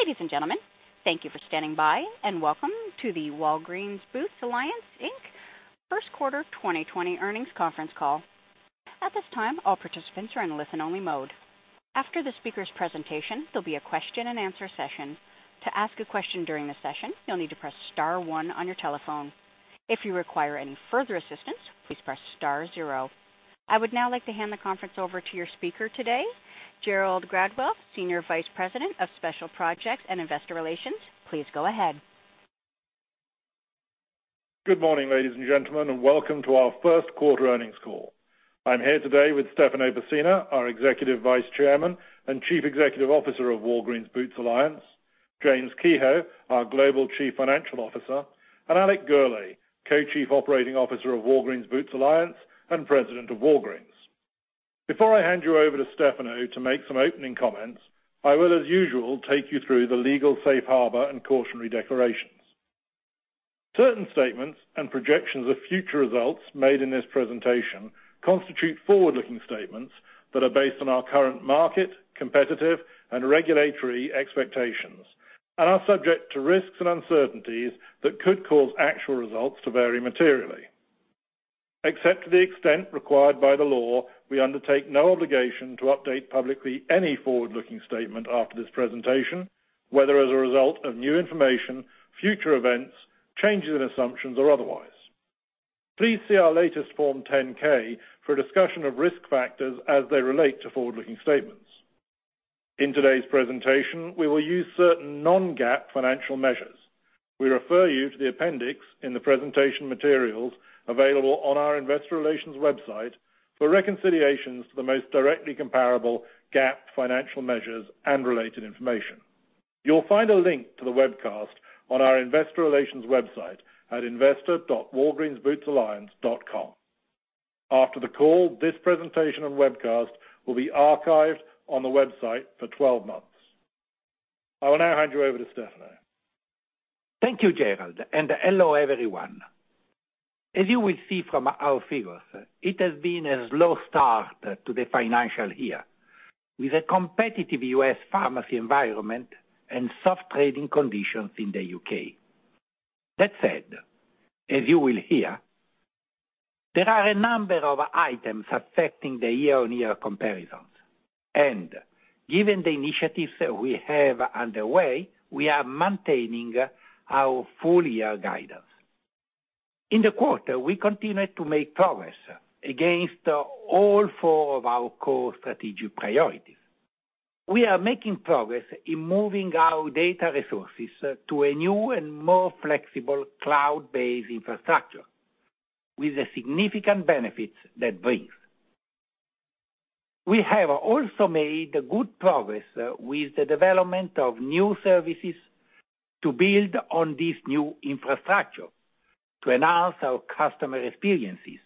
Ladies and gentlemen, thank you for standing by and welcome to the Walgreens Boots Alliance, Inc. First Quarter 2020 Earnings Conference Call. At this time, all participants are in listen-only mode. After the speaker's presentation, there'll be a question and answer session. To ask a question during the session, you'll need to press star one on your telephone. If you require any further assistance, please press star zero. I would now like to hand the conference over to your speaker today, Gerald Gradwell, Senior Vice President of Special Projects and Investor Relations. Please go ahead. Good morning, ladies and gentlemen, and welcome to our first quarter earnings call. I'm here today with Stefano Pessina, our Executive Vice Chairman and Chief Executive Officer of Walgreens Boots Alliance, James Kehoe, our Global Chief Financial Officer, and Alex Gourlay, Co-Chief Operating Officer of Walgreens Boots Alliance and President of Walgreens. Before I hand you over to Stefano to make some opening comments, I will, as usual, take you through the legal safe harbor and cautionary declarations. Certain statements and projections of future results made in this presentation constitute forward-looking statements that are based on our current market, competitive, and regulatory expectations, and are subject to risks and uncertainties that could cause actual results to vary materially. Except to the extent required by the law, we undertake no obligation to update publicly any forward-looking statement after this presentation, whether as a result of new information, future events, changes in assumptions, or otherwise. Please see our latest Form 10-K for a discussion of risk factors as they relate to forward-looking statements. In today's presentation, we will use certain non-GAAP financial measures. We refer you to the appendix in the presentation materials available on our investor relations website for reconciliations to the most directly comparable GAAP financial measures and related information. You'll find a link to the webcast on our investor relations website at investor.walgreensbootsalliance.com. After the call, this presentation and webcast will be archived on the website for 12 months. I will now hand you over to Stefano. Thank you, Gerald, and hello, everyone. As you will see from our figures, it has been a slow start to the financial year, with a competitive U.S. pharmacy environment and soft trading conditions in the U.K. That said, as you will hear, there are a number of items affecting the year-over-year comparisons and, given the initiatives we have underway, we are maintaining our full-year guidance. In the quarter, we continued to make progress against all four of our core strategic priorities. We are making progress in moving our data resources to a new and more flexible cloud-based infrastructure with the significant benefits that brings. We have also made good progress with the development of new services to build on this new infrastructure to enhance our customer experiences,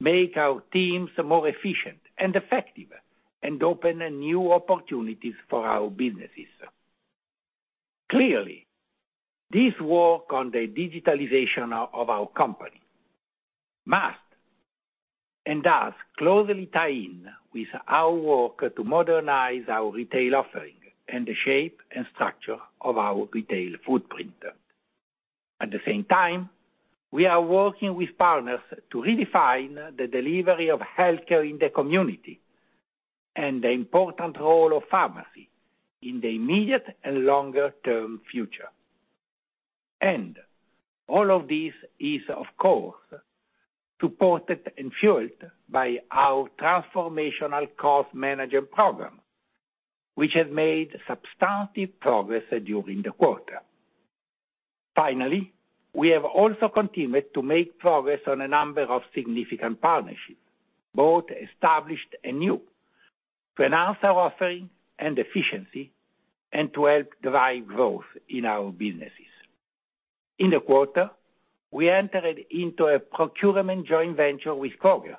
make our teams more efficient and effective, and open new opportunities for our businesses. Clearly, this work on the digitalization of our company must and does closely tie in with our work to modernize our retail offering and the shape and structure of our retail footprint. At the same time, we are working with partners to redefine the delivery of healthcare in the community and the important role of pharmacy in the immediate and longer-term future. All of this is, of course, supported and fueled by our transformational cost management program, which has made substantive progress during the quarter. Finally, we have also continued to make progress on a number of significant partnerships, both established and new, to enhance our offering and efficiency and to help drive growth in our businesses. In the quarter, we entered into a procurement joint venture with Kroger,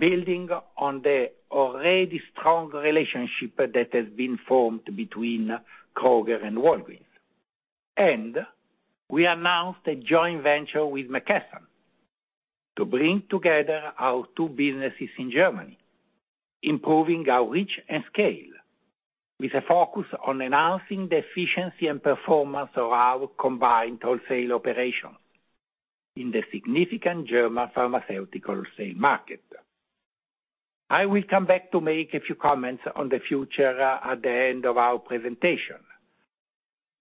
building on the already strong relationship that has been formed between Kroger and Walgreens. We announced a joint venture with McKesson to bring together our two businesses in Germany, improving our reach and scale with a focus on enhancing the efficiency and performance of our combined wholesale operations in the significant German pharmaceutical sale market. I will come back to make a few comments on the future at the end of our presentation.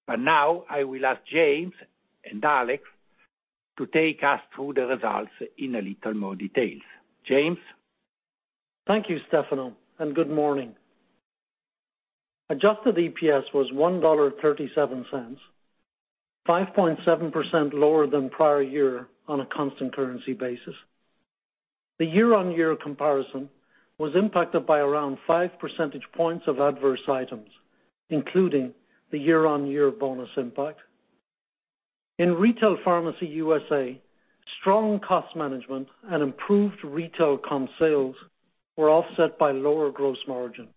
Now I will ask James and Alex to take us through the results in a little more detail. James? Thank you, Stefano, and good morning. Adjusted EPS was $1.37, 5.7% lower than prior year on a constant currency basis. The year-on-year comparison was impacted by around 5 percentage points of adverse items, including the year-on-year bonus impact. In Retail Pharmacy USA, strong cost management and improved retail comp sales were offset by lower gross margin.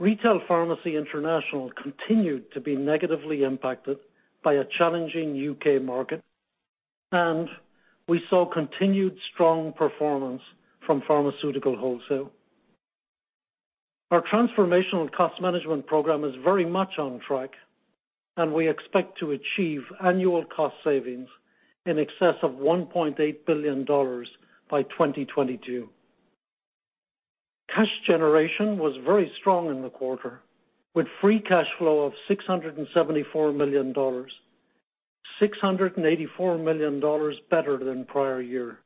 Retail Pharmacy International continued to be negatively impacted by a challenging U.K. market. We saw continued strong performance from Pharmaceutical Wholesale. Our transformational cost management program is very much on track, and we expect to achieve annual cost savings in excess of $1.8 billion by 2022. Cash generation was very strong in the quarter, with free cash flow of $674 million, $684 million better than prior year.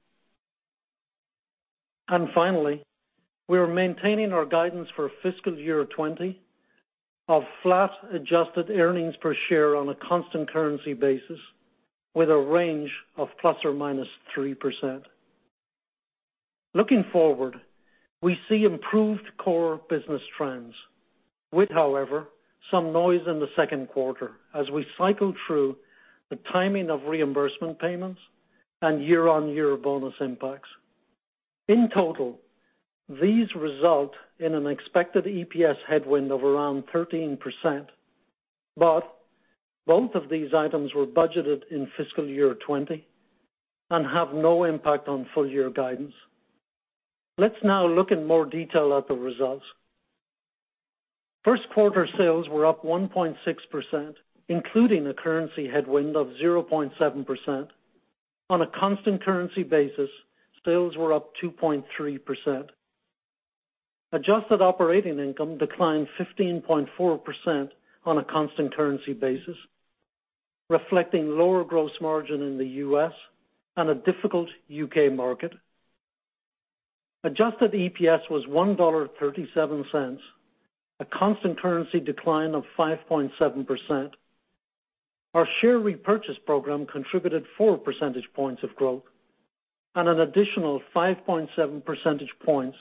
Finally, we are maintaining our guidance for fiscal year 2020 of flat-adjusted earnings per share on a constant currency basis with a range of ±3%. Looking forward, we see improved core business trends. With, however, some noise in the second quarter as we cycle through the timing of reimbursement payments and year-on-year bonus impacts. In total, these result in an expected EPS headwind of around 13%, but both of these items were budgeted in fiscal year 2020 and have no impact on full-year guidance. Let's now look in more detail at the results. First quarter sales were up 1.6%, including a currency headwind of 0.7%. On a constant currency basis, sales were up 2.3%. Adjusted operating income declined 15.4% on a constant currency basis, reflecting lower gross margin in the U.S. and a difficult U.K. market. Adjusted EPS was $1.37, a constant currency decline of 5.7%. Our share repurchase program contributed four percentage points of growth and an additional 5.7 percentage points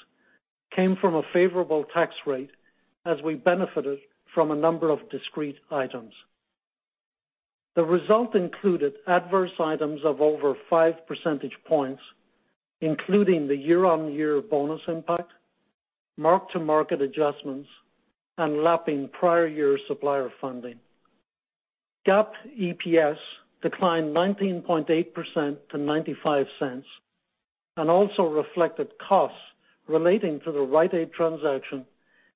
came from a favorable tax rate as we benefited from a number of discrete items. The result included adverse items of over five percentage points, including the year-on-year bonus impact, mark-to-market adjustments, and lapping prior year supplier funding. GAAP EPS declined 19.8% to $0.95 and also reflected costs relating to the Rite Aid transaction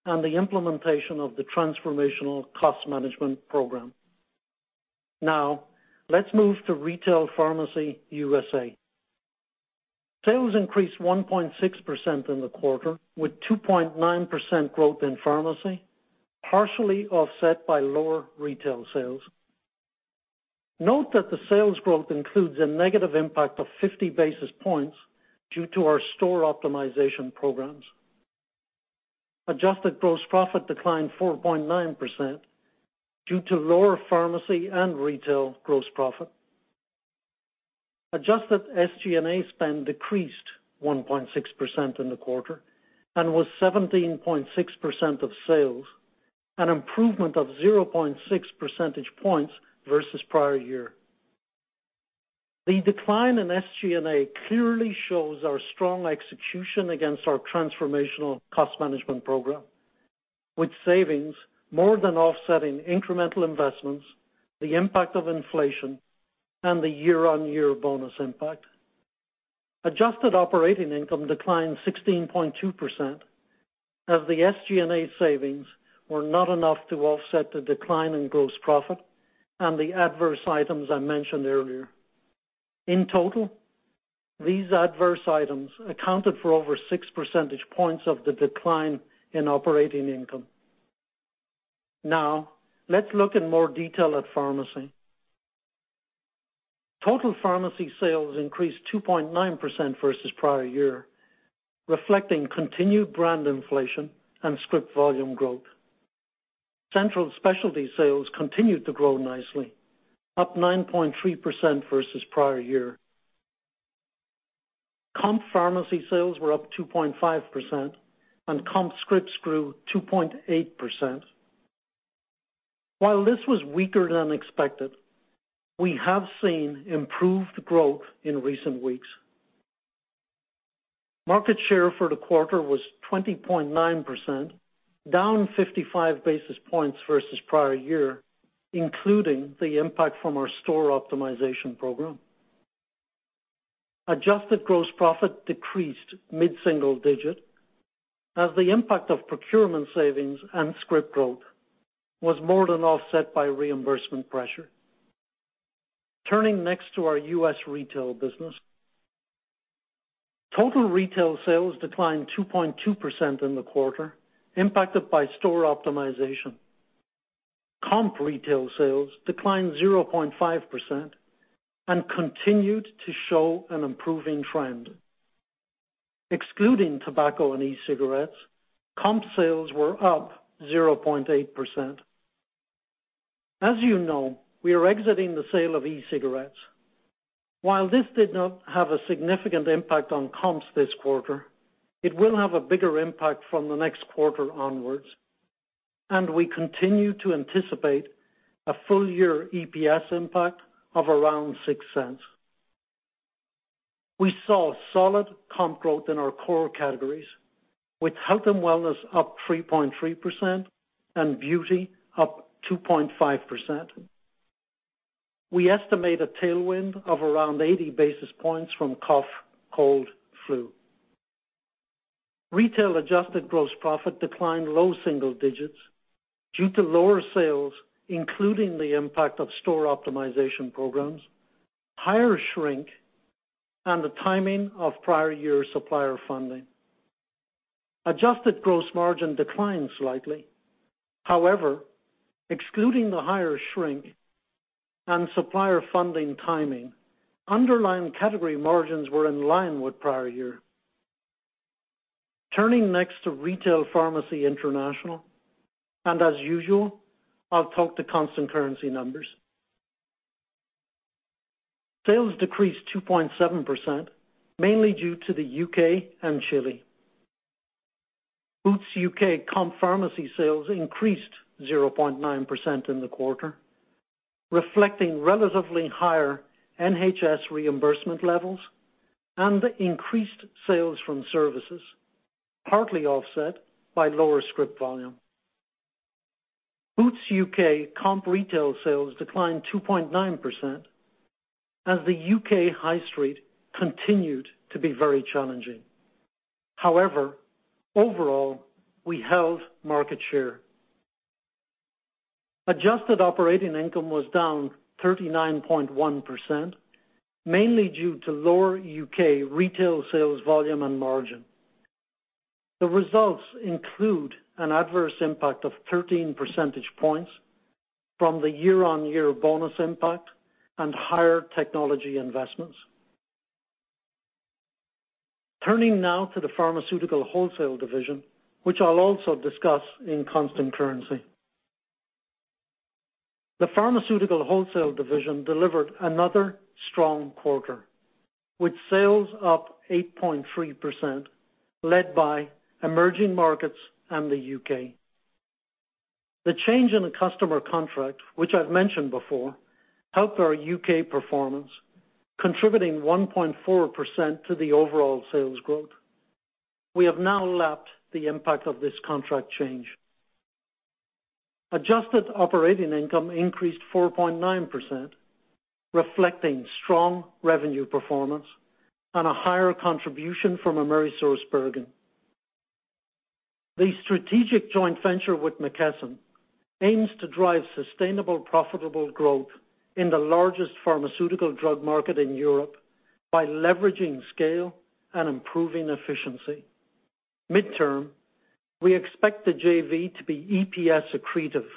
and the implementation of the transformational cost management program. Let's move to Retail Pharmacy USA. Sales increased 1.6% in the quarter, with 2.9% growth in pharmacy, partially offset by lower retail sales. Note that the sales growth includes a negative impact of 50 basis points due to our store optimization programs. Adjusted gross profit declined 4.9% due to lower pharmacy and retail gross profit. Adjusted SG&A spend decreased 1.6% in the quarter and was 17.6% of sales, an improvement of 0.6 percentage points versus prior year. The decline in SG&A clearly shows our strong execution against our transformational cost management program, with savings more than offsetting incremental investments, the impact of inflation, and the year-on-year bonus impact. Adjusted operating income declined 16.2% as the SG&A savings were not enough to offset the decline in gross profit and the adverse items I mentioned earlier. In total, these adverse items accounted for over six percentage points of the decline in operating income. Now, let's look in more detail at pharmacy. Total pharmacy sales increased 2.9% versus prior year, reflecting continued brand inflation and script volume growth. Central specialty sales continued to grow nicely, up 9.3% versus prior year. Comp pharmacy sales were up 2.5% and comp scripts grew 2.8%. While this was weaker than expected, we have seen improved growth in recent weeks. Market share for the quarter was 20.9%, down 55 basis points versus prior year, including the impact from our store optimization program. Adjusted gross profit decreased mid-single digit as the impact of procurement savings and script growth was more than offset by reimbursement pressure. Turning next to our U.S. retail business. Total retail sales declined 2.2% in the quarter, impacted by store optimization. Comp retail sales declined 0.5% and continued to show an improving trend. Excluding tobacco and e-cigarettes, comp sales were up 0.8%. As you know, we are exiting the sale of e-cigarettes. While this did not have a significant impact on comps this quarter, it will have a bigger impact from the next quarter onwards, and we continue to anticipate a full-year EPS impact of around $0.06. We saw solid comp growth in our core categories with health and wellness up 3.3% and beauty up 2.5%. We estimate a tailwind of around 80 basis points from cough, cold, flu. Retail adjusted gross profit declined low single digits due to lower sales, including the impact of store optimization programs, higher shrink, and the timing of prior year supplier funding. Adjusted gross margin declined slightly. However, excluding the higher shrink and supplier funding timing, underlying category margins were in line with prior year. Turning next to Retail Pharmacy International, and as usual, I'll talk to constant currency numbers. Sales decreased 2.7%, mainly due to the U.K. and Chile. Boots UK comp pharmacy sales increased 0.9% in the quarter, reflecting relatively higher NHS reimbursement levels and increased sales from services, partly offset by lower script volume. Boots UK comp retail sales declined 2.9% as the U.K. high street continued to be very challenging. Overall, we held market share. Adjusted operating income was down 39.1%, mainly due to lower U.K. retail sales volume and margin. The results include an adverse impact of 13 percentage points from the year-on-year bonus impact and higher technology investments. Turning now to the Pharmaceutical Wholesale division, which I'll also discuss in constant currency. The Pharmaceutical Wholesale division delivered another strong quarter, with sales up 8.3%, led by emerging markets and the U.K. The change in the customer contract, which I've mentioned before, helped our U.K. performance, contributing 1.4% to the overall sales growth. We have now lapped the impact of this contract change. Adjusted operating income increased 4.9%, reflecting strong revenue performance and a higher contribution from AmerisourceBergen. The strategic joint venture with McKesson aims to drive sustainable, profitable growth in the largest pharmaceutical drug market in Europe by leveraging scale and improving efficiency. Midterm, we expect the JV to be EPS accretive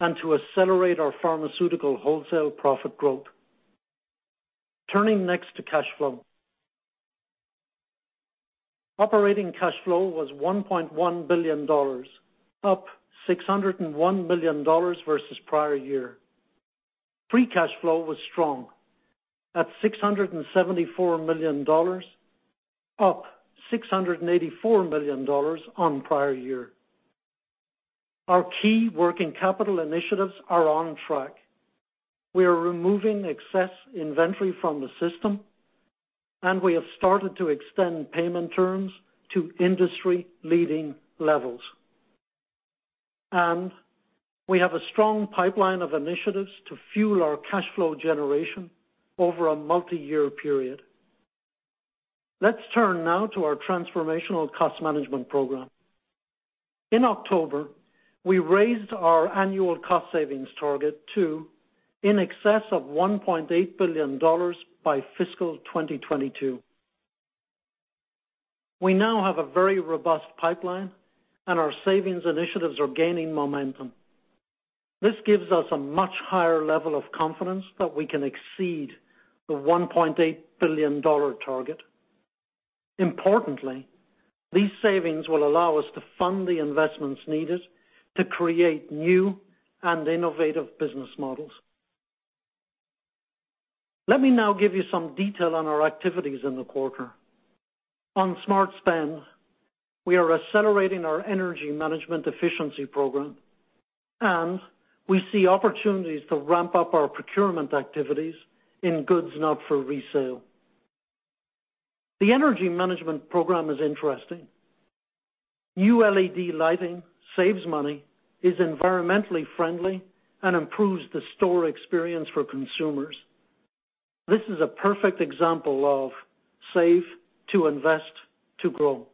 and to accelerate our pharmaceutical wholesale profit growth. Turning next to cash flow. Operating cash flow was $1.1 billion, up $601 million versus prior year. Free cash flow was strong at $674 million, up $684 million on prior year. Our key working capital initiatives are on track. We are removing excess inventory from the system, and we have started to extend payment terms to industry-leading levels. We have a strong pipeline of initiatives to fuel our cash flow generation over a multi-year period. Let's turn now to our Transformational Cost Management Program. In October, we raised our annual cost savings target to in excess of $1.8 billion by fiscal 2022. We now have a very robust pipeline, and our savings initiatives are gaining momentum. This gives us a much higher level of confidence that we can exceed the $1.8 billion target. Importantly, these savings will allow us to fund the investments needed to create new and innovative business models. Let me now give you some detail on our activities in the quarter. On smart spend, we are accelerating our energy management efficiency program, and we see opportunities to ramp up our procurement activities in goods not for resale. The energy management program is interesting. New LED lighting saves money, is environmentally friendly, and improves the store experience for consumers. This is a perfect example of Save to Invest to Grow.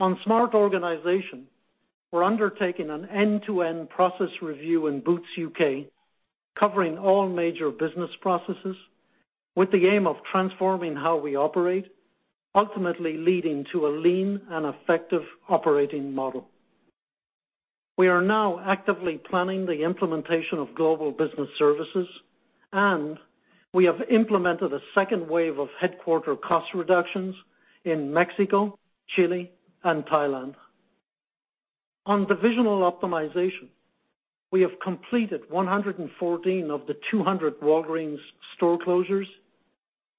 On smart organization, we're undertaking an end-to-end process review in Boots UK, covering all major business processes with the aim of transforming how we operate, ultimately leading to a lean and effective operating model. We are now actively planning the implementation of global business services, and we have implemented a second wave of headquarter cost reductions in Mexico, Chile, and Thailand. On divisional optimization, we have completed 114 of the 200 Walgreens store closures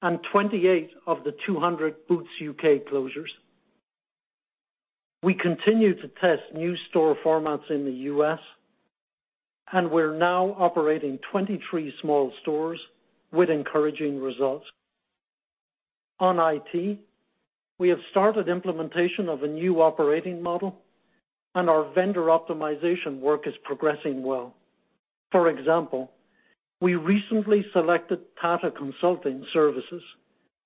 and 28 of the 200 Boots UK closures. We continue to test new store formats in the U.S., and we're now operating 23 small stores with encouraging results. On IT, we have started implementation of a new operating model, and our vendor optimization work is progressing well. For example, we recently selected Tata Consultancy Services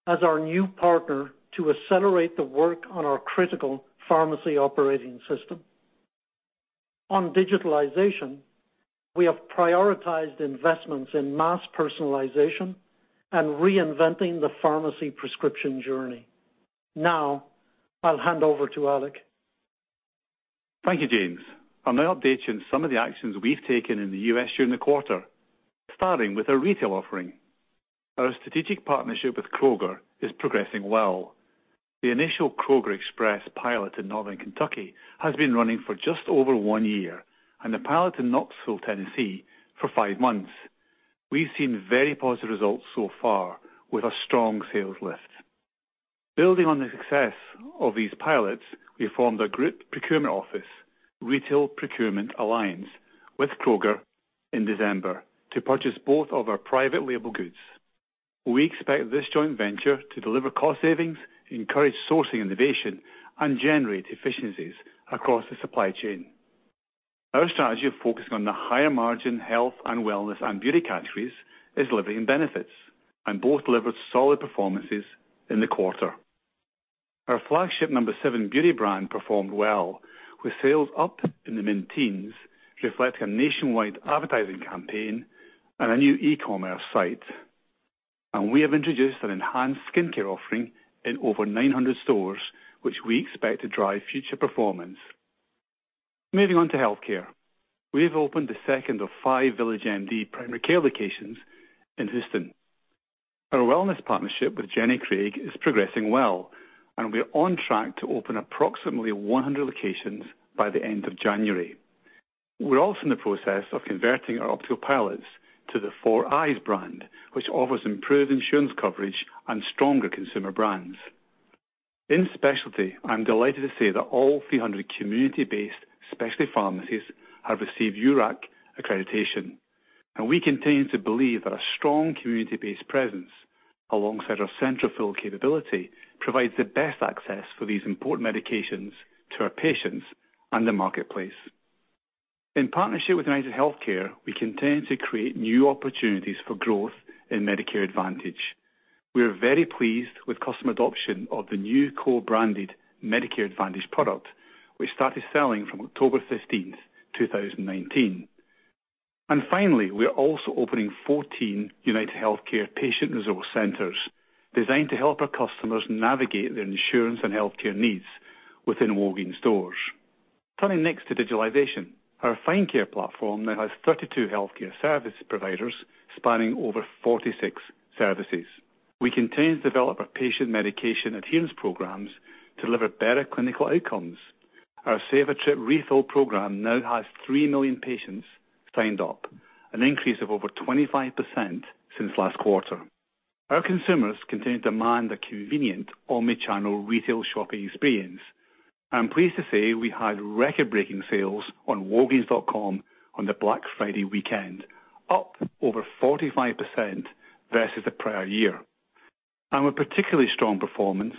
as our new partner to accelerate the work on our critical pharmacy operating system. On digitalization, we have prioritized investments in mass personalization and reinventing the pharmacy prescription journey. Now, I'll hand over to Alex. Thank you, James. I'll now update you on some of the actions we've taken in the U.S. during the quarter, starting with our retail offering. Our strategic partnership with Kroger is progressing well. The initial Kroger Express pilot in Northern Kentucky has been running for just over one year, and the pilot in Knoxville, Tennessee for five months. We've seen very positive results so far with a strong sales lift. Building on the success of these pilots, we formed a group procurement office, Retail Procurement Alliance, with Kroger in December to purchase both of our private label goods. We expect this joint venture to deliver cost savings, encourage sourcing innovation, and generate efficiencies across the supply chain. Our strategy of focusing on the higher-margin health and wellness and beauty categories is delivering benefits, and both delivered solid performances in the quarter. Our flagship No7 Beauty brand performed well with sales up in the mid-teens, reflecting a nationwide advertising campaign and a new e-commerce site. We have introduced an enhanced skincare offering in over 900 stores, which we expect to drive future performance. Moving on to healthcare. We have opened the second of five VillageMD primary care locations in Houston. Our wellness partnership with Jenny Craig is progressing well, and we're on track to open approximately 100 locations by the end of January. We're also in the process of converting our optical pilots to the For Eyes brand, which offers improved insurance coverage and stronger consumer brands. In specialty, I'm delighted to say that all 300 community-based specialty pharmacies have received URAC accreditation. We continue to believe that a strong community-based presence, alongside our central fill capability, provides the best access for these important medications to our patients and the marketplace. In partnership with UnitedHealthcare, we continue to create new opportunities for growth in Medicare Advantage. We are very pleased with customer adoption of the new co-branded Medicare Advantage product, which started selling from October 15th, 2019. Finally, we are also opening 14 UnitedHealthcare patient resource centers designed to help our customers navigate their insurance and healthcare needs within Walgreens stores. Turning next to digitalization. Our Find Care platform now has 32 healthcare service providers spanning over 46 services. We continue to develop our patient medication adherence programs to deliver better clinical outcomes. Our Save a Trip Refills program now has 3 million patients signed up, an increase of over 25% since last quarter. Our consumers continue to demand a convenient omni-channel retail shopping experience. I'm pleased to say we had record-breaking sales on walgreens.com on the Black Friday weekend, up over 45% versus the prior year, and with particularly strong performance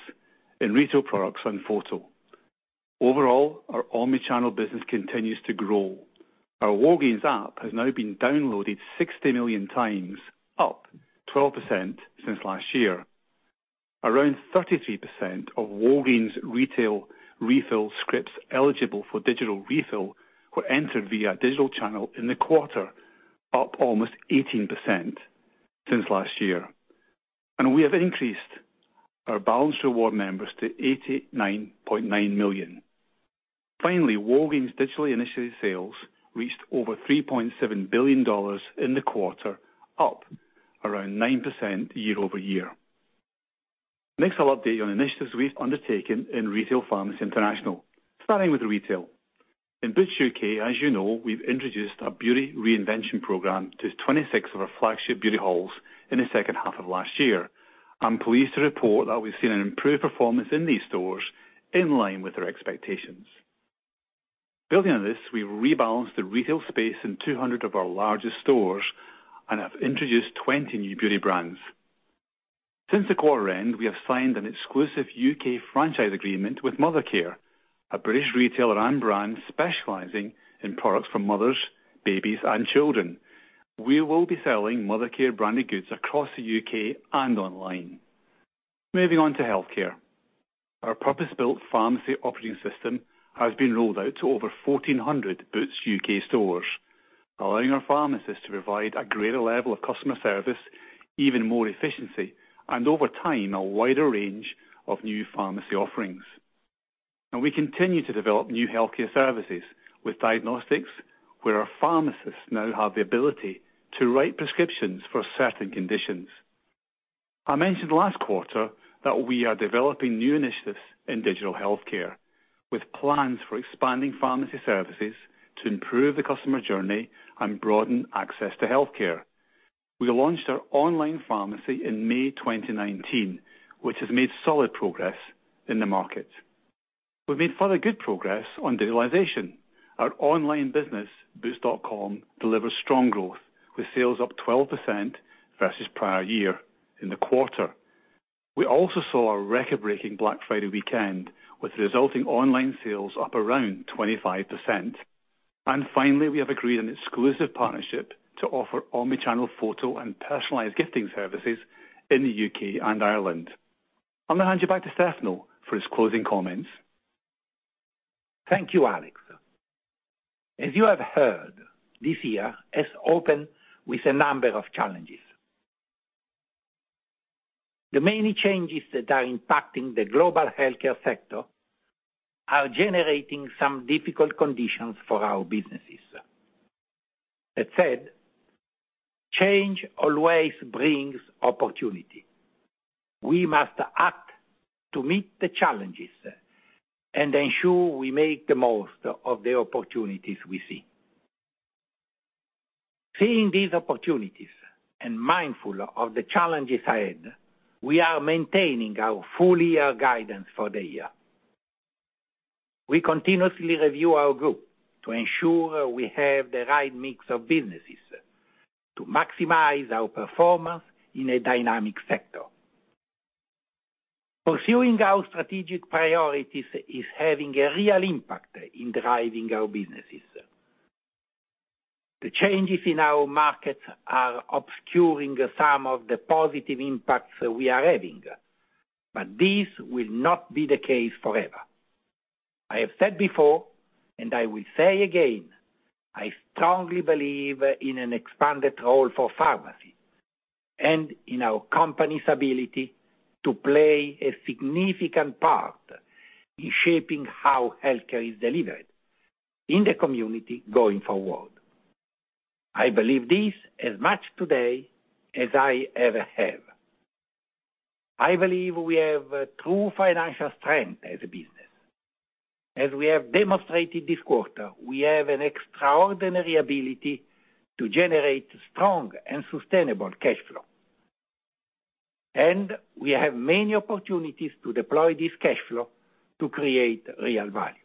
in retail products and photo. Overall, our omni-channel business continues to grow. Our Walgreens app has now been downloaded 60 million times, up 12% since last year. Around 33% of Walgreens retail refill scripts eligible for digital refill were entered via a digital channel in the quarter, up almost 18% since last year. We have increased our Balance Reward members to 89.9 million. Finally, Walgreens digitally initiated sales reached over $3.7 billion in the quarter, up around 9% year-over-year. Next, I'll update you on initiatives we've undertaken in Retail Pharmacy International, starting with retail. In Boots UK, as you know, we've introduced our Beauty Reinvention program to 26 of our flagship beauty halls in the second half of last year. I'm pleased to report that we've seen an improved performance in these stores in line with our expectations. Building on this, we rebalanced the retail space in 200 of our largest stores and have introduced 20 new beauty brands. Since the quarter end, we have signed an exclusive U.K. franchise agreement with Mothercare, a British retailer and brand specializing in products for mothers, babies, and children. We will be selling Mothercare branded goods across the U.K. and online. Moving on to healthcare. Our purpose-built pharmacy operating system has been rolled out to over 1,400 Boots UK stores, allowing our pharmacists to provide a greater level of customer service, even more efficiency, and over time, a wider range of new pharmacy offerings. We continue to develop new healthcare services with diagnostics, where our pharmacists now have the ability to write prescriptions for certain conditions. I mentioned last quarter that we are developing new initiatives in digital healthcare with plans for expanding pharmacy services to improve the customer journey and broaden access to healthcare. We launched our online pharmacy in May 2019, which has made solid progress in the market. We've made further good progress on digitalization. Our online business, boots.com, delivers strong growth, with sales up 12% versus prior year in the quarter. We also saw a record-breaking Black Friday weekend, with resulting online sales up around 25%. Finally, we have agreed an exclusive partnership to offer omni-channel photo and personalized gifting services in the U.K. and Ireland. I'm going to hand you back to Stefano for his closing comments. Thank you, Alex. As you have heard, this year has opened with a number of challenges. The many changes that are impacting the global healthcare sector are generating some difficult conditions for our businesses. That said, change always brings opportunity. We must act to meet the challenges and ensure we make the most of the opportunities we see. Seeing these opportunities and mindful of the challenges ahead, we are maintaining our full-year guidance for the year. We continuously review our group to ensure we have the right mix of businesses to maximize our performance in a dynamic sector. Pursuing our strategic priorities is having a real impact in driving our businesses. The changes in our markets are obscuring some of the positive impacts we are having, but this will not be the case forever. I have said before, I will say again, I strongly believe in an expanded role for pharmacy and in our company's ability to play a significant part in shaping how healthcare is delivered in the community going forward. I believe this as much today as I ever have. I believe we have true financial strength as a business. As we have demonstrated this quarter, we have an extraordinary ability to generate strong and sustainable cash flow. We have many opportunities to deploy this cash flow to create real value.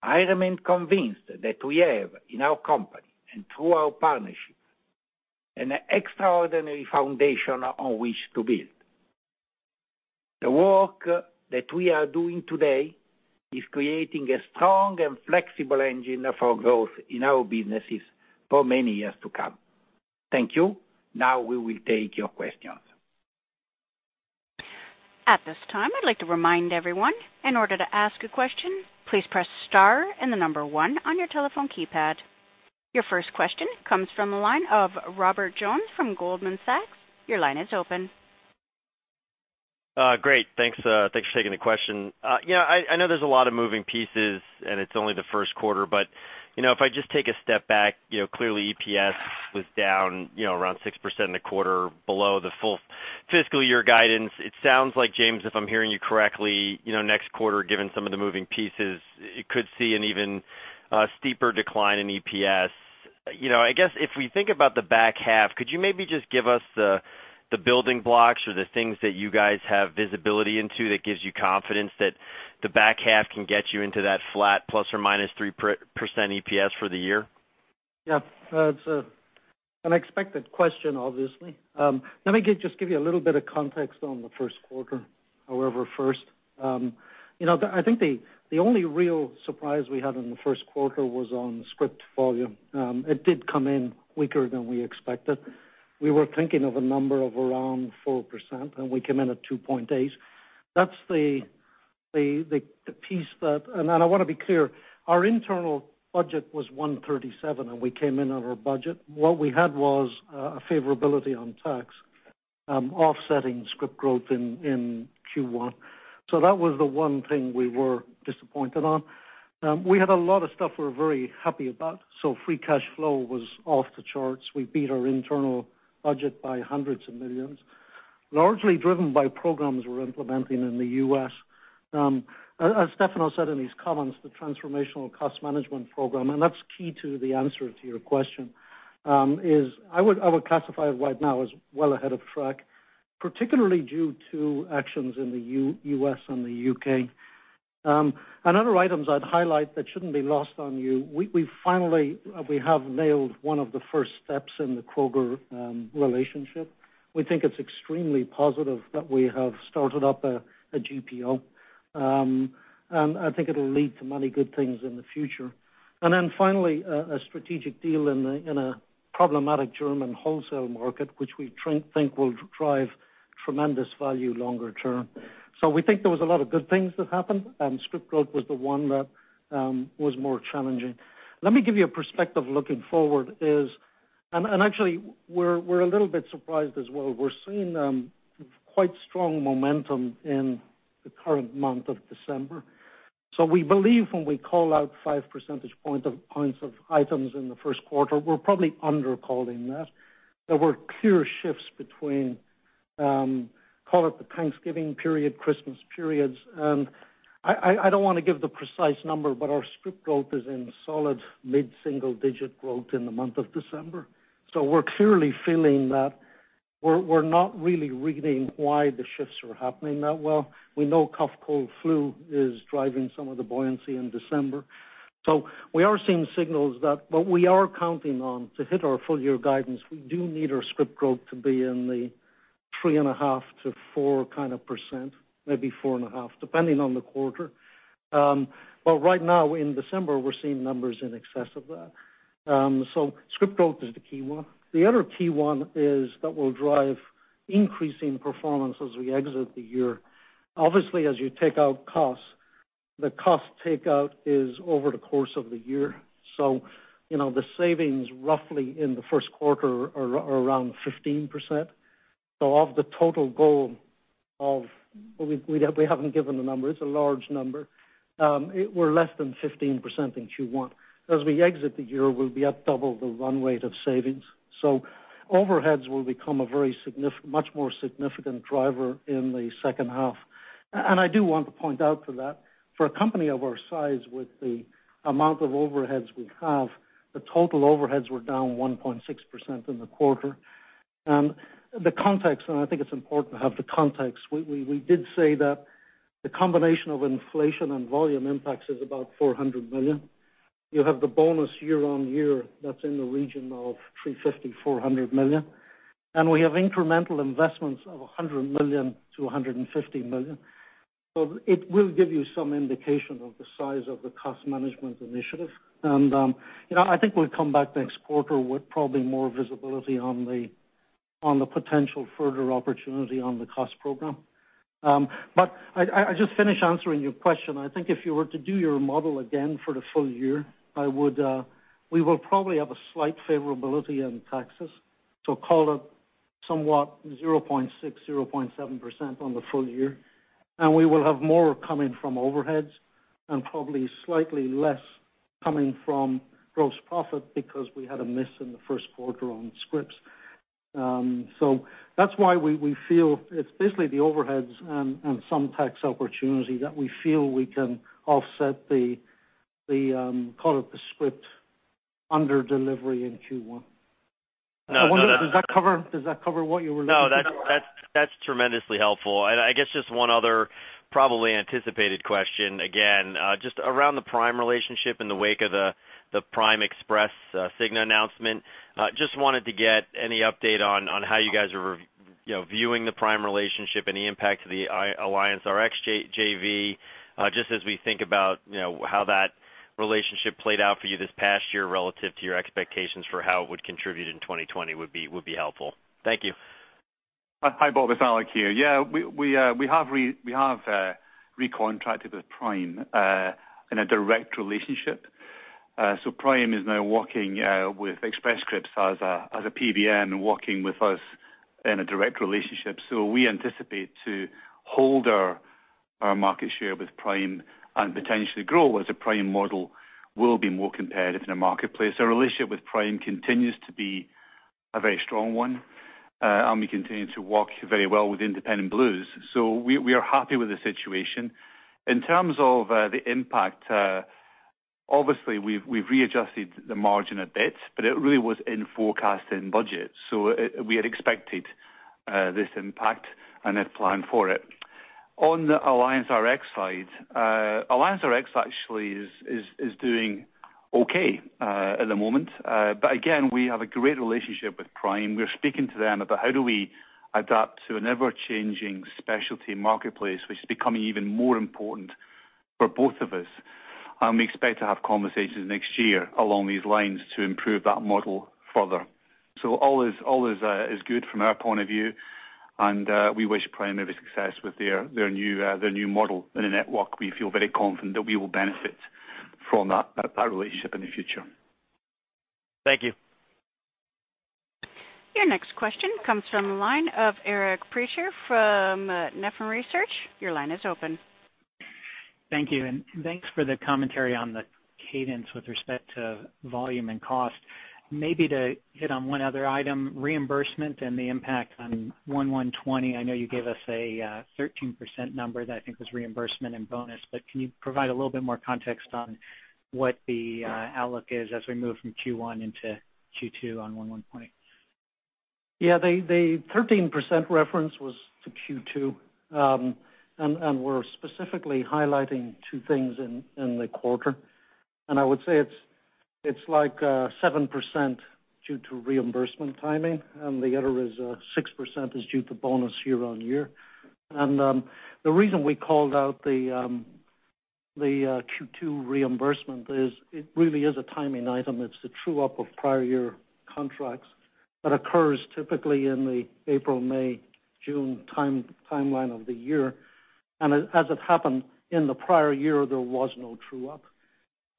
I remain convinced that we have in our company and through our partnerships, an extraordinary foundation on which to build. The work that we are doing today is creating a strong and flexible engine for growth in our businesses for many years to come. Thank you. Now we will take your questions. At this time, I'd like to remind everyone, in order to ask a question, please press star and the number one on your telephone keypad. Your first question comes from the line of Robert Jones from Goldman Sachs. Your line is open. Great. Thanks for taking the question. I know there's a lot of moving pieces, and it's only the first quarter, but if I just take a step back, clearly EPS was down around 6% in the quarter below the full fiscal year guidance. It sounds like, James, if I'm hearing you correctly, next quarter, given some of the moving pieces, it could see an even steeper decline in EPS. I guess if we think about the back half, could you maybe just give us the building blocks or the things that you guys have visibility into that gives you confidence that the back half can get you into that flat ±3% EPS for the year? Yeah. It's an expected question, obviously. Let me just give you a little bit of context on the first quarter, however, first. I think the only real surprise we had in the first quarter was on script volume. It did come in weaker than we expected. We were thinking of a number of around 4%, and we came in at 2.8%. That's the piece and I want to be clear, our internal budget was 137, and we came in on our budget. What we had was a favorability on tax offsetting script growth in Q1. That was the one thing we were disappointed on. We had a lot of stuff we're very happy about. Free cash flow was off the charts. We beat our internal budget by $hundreds of millions, largely driven by programs we're implementing in the U.S. As Stefano said in his comments, the transformational cost management program, and that's key to the answer to your question, is I would classify it right now as well ahead of track, particularly due to actions in the U.S. and the U.K. Other items I'd highlight that shouldn't be lost on you, we finally have nailed one of the first steps in the Kroger relationship. We think it's extremely positive that we have started up a GPO. I think it'll lead to many good things in the future. Finally, a strategic deal in a problematic German wholesale market, which we think will drive tremendous value longer term. We think there was a lot of good things that happened, and script growth was the one that was more challenging. Let me give you a perspective looking forward. Actually, we're a little bit surprised as well. We're seeing quite strong momentum in the current month of December. We believe when we call out five percentage points of items in the first quarter, we're probably under-calling that. There were clear shifts between, call it the Thanksgiving period, Christmas periods. I don't want to give the precise number. Our script growth is in solid mid-single digit growth in the month of December. We're clearly feeling that we're not really reading why the shifts are happening that well. We know cough, cold, flu is driving some of the buoyancy in December. We are seeing signals that what we are counting on to hit our full year guidance, we do need our script growth to be in the 3.5%-4.0%, maybe 4.5%, depending on the quarter. Right now in December, we're seeing numbers in excess of that. Script growth is the key one. The other key one is that will drive increasing performance as we exit the year. Obviously, as you take out costs, the cost takeout is over the course of the year. The savings roughly in the first quarter are around 15%. Of the total goal of, we haven't given the number, it's a large number. We're less than 15% in Q1. As we exit the year, we'll be at double the run rate of savings. Overheads will become a much more significant driver in the second half. I do want to point out for that, for a company of our size, with the amount of overheads we have, the total overheads were down 1.6% in the quarter. The context, I think it's important to have the context, we did say that the combination of inflation and volume impacts is about $400 million. You have the bonus year-on-year, that's in the region of $350 million-$400 million. We have incremental investments of $100 million-$150 million. It will give you some indication of the size of the cost management initiative. I think we'll come back next quarter with probably more visibility on the potential further opportunity on the cost program. I just finish answering your question. I think if you were to do your model again for the full year, we will probably have a slight favorability in taxes. Call it somewhat 0.6%-0.7% on the full year. We will have more coming from overheads and probably slightly less coming from gross profit because we had a miss in the first quarter on scripts. That's why we feel it's basically the overheads and some tax opportunity that we feel we can offset the, call it the script under delivery in Q1. No, that- Does that cover what you were looking for? No, that's tremendously helpful. I guess just one other, probably anticipated question, again, just around the Prime relationship in the wake of the Prime Express Cigna announcement. Just wanted to get any update on how you guys are viewing the Prime relationship, any impact to the AllianceRx JV. Just as we think about how that relationship played out for you this past year relative to your expectations for how it would contribute in 2020 would be helpful. Thank you. Hi, Bob, it's Alex here. Yeah, we have recontracted with Prime, in a direct relationship. Prime is now working with Express Scripts as a PBM, working with us in a direct relationship. We anticipate to hold our market share with Prime and potentially grow as a Prime model will be more competitive in a marketplace. Our relationship with Prime continues to be a very strong one, and we continue to work very well with Independence Blue Cross. We are happy with the situation. In terms of the impact, obviously we've readjusted the margin a bit, but it really was in forecast and budget. We had expected this impact and had planned for it. On the AllianceRx side, AllianceRx actually is doing okay, at the moment. Again, we have a great relationship with Prime. We're speaking to them about how do we adapt to an ever-changing specialty marketplace, which is becoming even more important for both of us. We expect to have conversations next year along these lines to improve that model further. All is good from our point of view, and we wish Prime every success with their new model in a network. We feel very confident that we will benefit from that relationship in the future. Thank you. Your next question comes from the line of Eric Percher from Nephron Research. Your line is open. Thank you, and thanks for the commentary on the cadence with respect to volume and cost. Maybe to hit on one other item, reimbursement and the impact on 1120. I know you gave us a 13% number that I think was reimbursement and bonus, but can you provide a little bit more context on what the outlook is as we move from Q1 into Q2 on 1120? Yeah, the 13% reference was to Q2. We're specifically highlighting two things in the quarter. I would say it's like 7% due to reimbursement timing, and the other is 6% is due to bonus year-over-year. The reason we called out the Q2 reimbursement is it really is a timing item. It's the true-up of prior year contracts that occurs typically in the April, May, June timeline of the year. As it happened in the prior year, there was no true-up.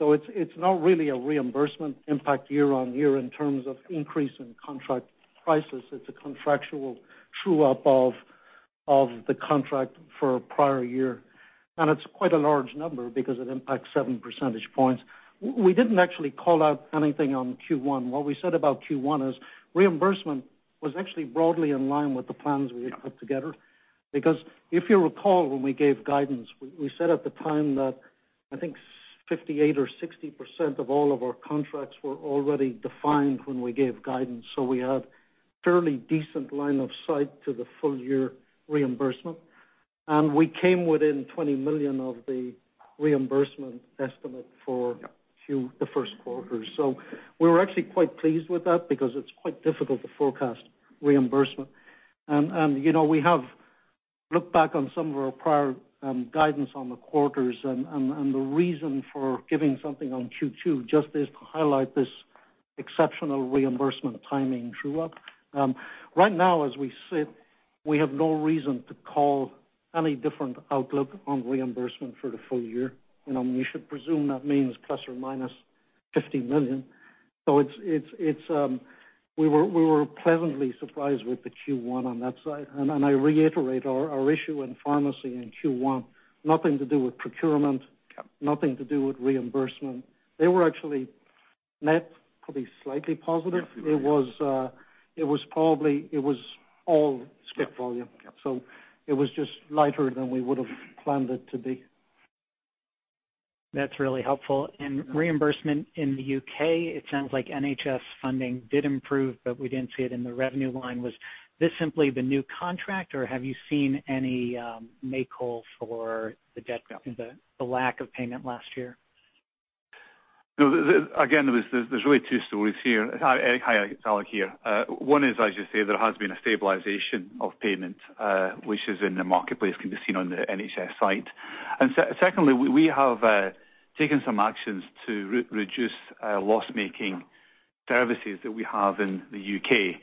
It's not really a reimbursement impact year-over-year in terms of increase in contract prices. It's a contractual true-up of the contract for prior year. It's quite a large number because it impacts seven percentage points. We didn't actually call out anything on Q1. What we said about Q1 is reimbursement was actually broadly in line with the plans we had put together. If you recall, when we gave guidance, we said at the time that I think 58% or 60% of all of our contracts were already defined when we gave guidance, so we had fairly decent line of sight to the full year reimbursement. We came within $20 million of the reimbursement estimate. Yeah the first quarter. We were actually quite pleased with that because it's quite difficult to forecast reimbursement. We have looked back on some of our prior guidance on the quarters, and the reason for giving something on Q2 just is to highlight this exceptional reimbursement timing true-up. Right now as we sit, we have no reason to call any different outlook on reimbursement for the full year. You should presume that means plus or minus $50 million. We were pleasantly surprised with the Q1 on that side. I reiterate our issue in pharmacy in Q1, nothing to do with procurement- Yep nothing to do with reimbursement. They were actually net, probably slightly positive. Yes. It was all script volume. Yep. It was just lighter than we would've planned it to be. That's really helpful. In reimbursement in the U.K., it sounds like NHS funding did improve, we didn't see it in the revenue line. Was this simply the new contract or have you seen any make-whole for the debt, the lack of payment last year? No, again, there's really two stories here. Hi, Eric. Hi, it's Alex here. One is, as you say, there has been a stabilization of payment, which is in the marketplace, can be seen on the NHS site. Secondly, we have taken some actions to reduce loss-making services that we have in the U.K.,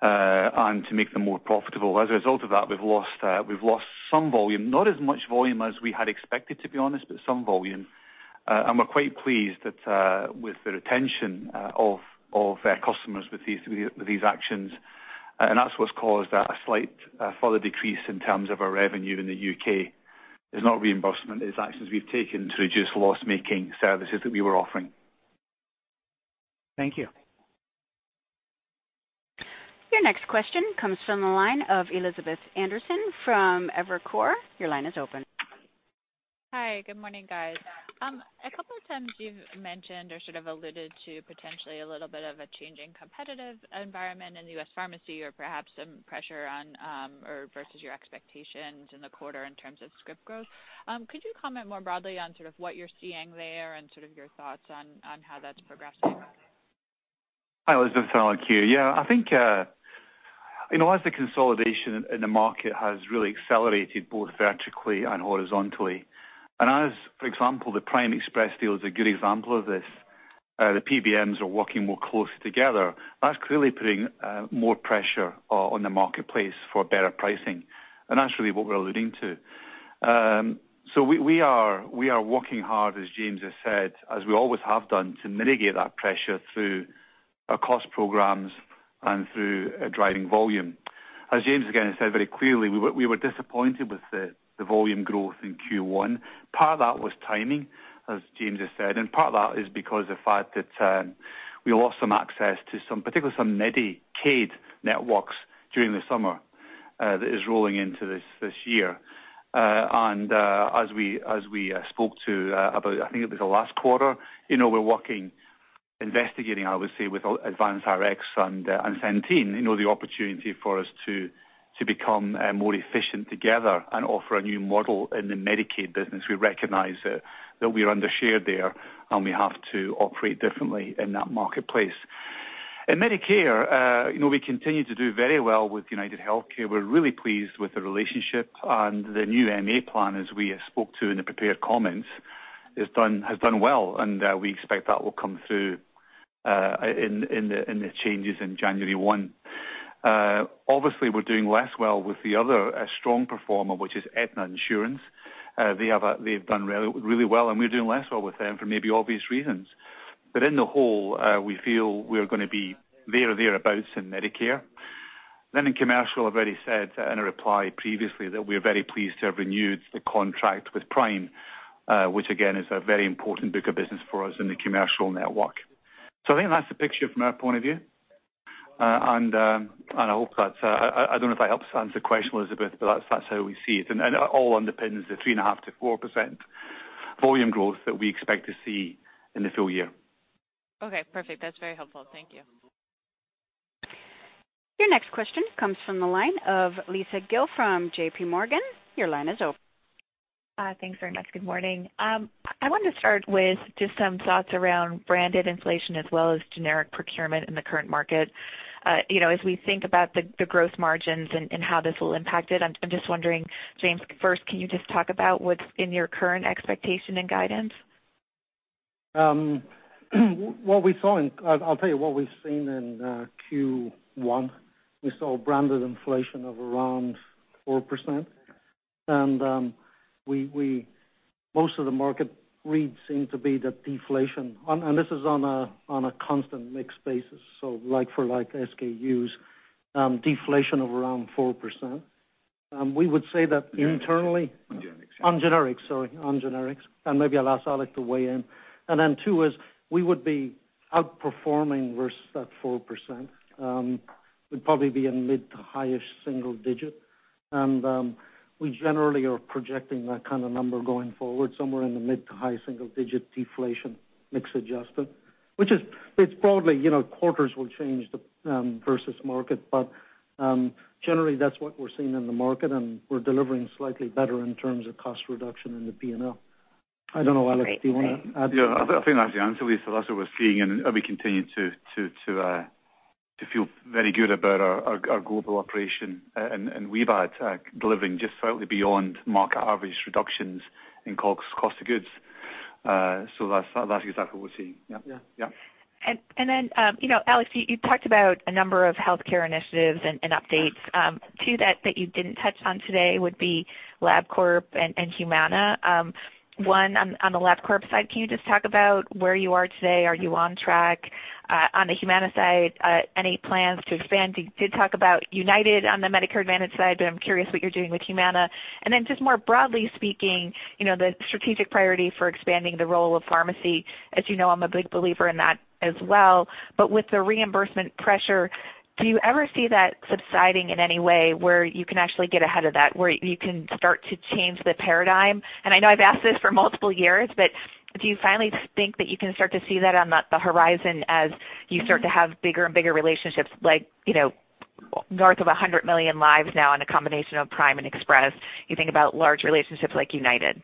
and to make them more profitable. As a result of that, we've lost some volume. Not as much volume as we had expected, to be honest, but some volume. We're quite pleased that with the retention of their customers with these actions, and that's what's caused a slight further decrease in terms of our revenue in the U.K. It's not reimbursement, it's actions we've taken to reduce loss-making services that we were offering. Thank you. Your next question comes from the line of Elizabeth Anderson from Evercore. Your line is open. Hi. Good morning, guys. A couple of times you've mentioned or sort of alluded to potentially a little bit of a change in competitive environment in the U.S. pharmacy or perhaps some pressure versus your expectations in the quarter in terms of script growth. Could you comment more broadly on sort of what you're seeing there and sort of your thoughts on how that's progressing? Hi, Elizabeth. Alex, here. Yeah, I think, as the consolidation in the market has really accelerated both vertically and horizontally, and as, for example, the Prime Therapeutics and Express Scripts deal is a good example of this. The PBMs are working more closely together. That's clearly putting more pressure on the marketplace for better pricing, and that's really what we're alluding to. We are working hard, as James has said, as we always have done, to mitigate that pressure through our cost programs and through driving volume. As James again has said very clearly, we were disappointed with the volume growth in Q1. Part of that was timing, as James has said, and part of that is because the fact that we lost some access to some, particularly some Medicaid networks during the summer, that is rolling into this year. As we spoke to about, I think it was the last quarter, we're working, investigating, I would say, with RxAdvance and Centene, the opportunity for us to become more efficient together and offer a new model in the Medicaid business. We recognize that we are under-shared there, and we have to operate differently in that marketplace. In Medicare, we continue to do very well with UnitedHealthcare. We're really pleased with the relationship and the new MA plan, as we spoke to in the prepared comments, has done well, and we expect that will come through in the changes in January 1. Obviously, we're doing less well with the other strong performer, which is Aetna. They've done really well, and we're doing less well with them for maybe obvious reasons. In the whole, we feel we're going to be there or thereabouts in Medicare. In commercial, I've already said in a reply previously that we are very pleased to have renewed the contract with Prime, which again is a very important book of business for us in the commercial network. I think that's the picture from our point of view. I hope that helps answer the question, Elizabeth, but that's how we see it. That all underpins the 3.5%-4% volume growth that we expect to see in the full year. Okay, perfect. That's very helpful. Thank you. Your next question comes from the line of Lisa Gill from JPMorgan. Your line is open. Thanks very much. Good morning. I wanted to start with just some thoughts around branded inflation as well as generic procurement in the current market. As we think about the growth margins and how this will impact it, I'm just wondering, James, first, can you just talk about what's in your current expectation and guidance? I'll tell you what we've seen in Q1. We saw branded inflation of around 4%. Most of the market reads seem to be that deflation, and this is on a constant mix basis, so like for like SKUs, deflation of around 4%. We would say that internally. On generics. On generics, sorry. On generics. Maybe I'll ask Alex to weigh in. Then two is, we would be outperforming versus that 4%. We'd probably be in mid to highest single digit. We generally are projecting that kind of number going forward, somewhere in the mid to high single digit deflation, mix adjusted. Which is, it's broadly, quarters will change the, versus market. Generally that's what we're seeing in the market, and we're delivering slightly better in terms of cost reduction in the P&L. I don't know, Alex, do you want to add to that? Yeah, I think that's the answer, Lisa. That's what we're seeing and we continue to feel very good about our global operation and WBAD delivering just slightly beyond market average reductions in cost of goods. That's exactly what we're seeing. Yep. Yeah. Yeah. Then Alex, you talked about a number of healthcare initiatives and updates. Two that you didn't touch on today would be Labcorp and Humana. One, on the Labcorp side, can you just talk about where you are today? Are you on track? On the Humana side, any plans to expand? You did talk about United on the Medicare Advantage side, but I'm curious what you're doing with Humana. Just more broadly speaking, the strategic priority for expanding the role of pharmacy. As you know, I'm a big believer in that as well, but with the reimbursement pressure, do you ever see that subsiding in any way where you can actually get ahead of that, where you can start to change the paradigm? I know I've asked this for multiple years, but do you finally think that you can start to see that on the horizon as you start to have bigger and bigger relationships like, north of 100 million lives now in a combination of Prime and Express, you think about large relationships like United?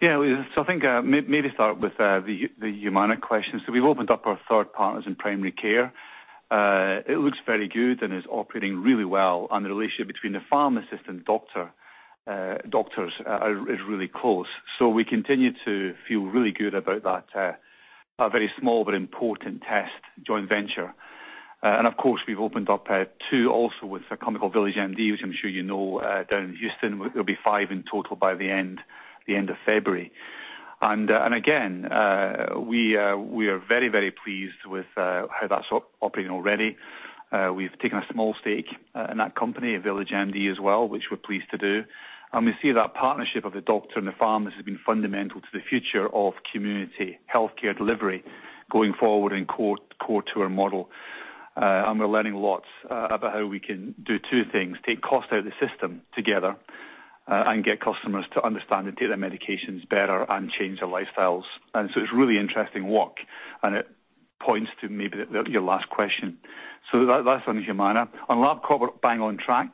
Yeah. I think, maybe start with the Humana question. We've opened up our third Partners in Primary Care. It looks very good and is operating really well. The relationship between the pharmacist and doctors is really close. We continue to feel really good about that very small but important test joint venture. Of course, we've opened up two also with a company called VillageMD, which I'm sure you know, down in Houston. There'll be five in total by the end of February. Again, we are very pleased with how that's operating already. We've taken a small stake in that company, VillageMD as well, which we're pleased to do. We see that partnership of the doctor and the pharmacist has been fundamental to the future of community healthcare delivery going forward and core to our model. We're learning lots about how we can do two things, take cost out of the system together, and get customers to understand and take their medications better and change their lifestyles. It's a really interesting work, and it points to maybe your last question. That's on Humana. On Labcorp, we're bang on track,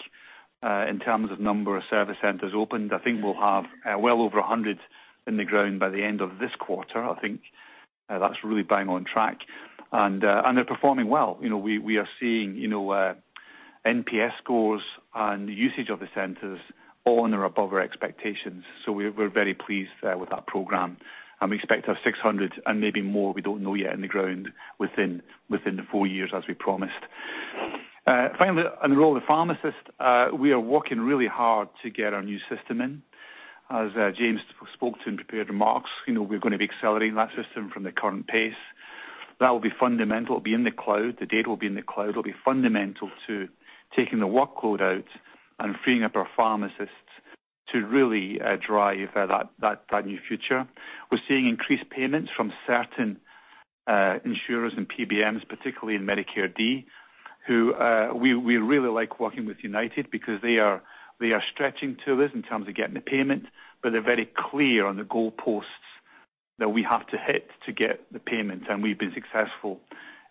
in terms of number of service centers opened. I think we'll have well over 100 in the ground by the end of this quarter. I think that's really bang on track. They're performing well. We are seeing NPS scores and usage of the centers on or above our expectations. We're very pleased with that program, and we expect to have 600 and maybe more, we don't know yet, in the ground within the four years as we promised. Finally, on the role of the pharmacist, we are working really hard to get our new system in. As James spoke to in prepared remarks, we're going to be accelerating that system from the current pace. That will be fundamental. It'll be in the cloud, the data will be in the cloud. It'll be fundamental to taking the workload out and freeing up our pharmacists to really drive that new future. We're seeing increased payments from certain insurers and PBMs, particularly in Medicare Part D, who we really like working with UnitedHealthcare because they are stretching to us in terms of getting the payment, but they're very clear on the goalposts that we have to hit to get the payments, and we've been successful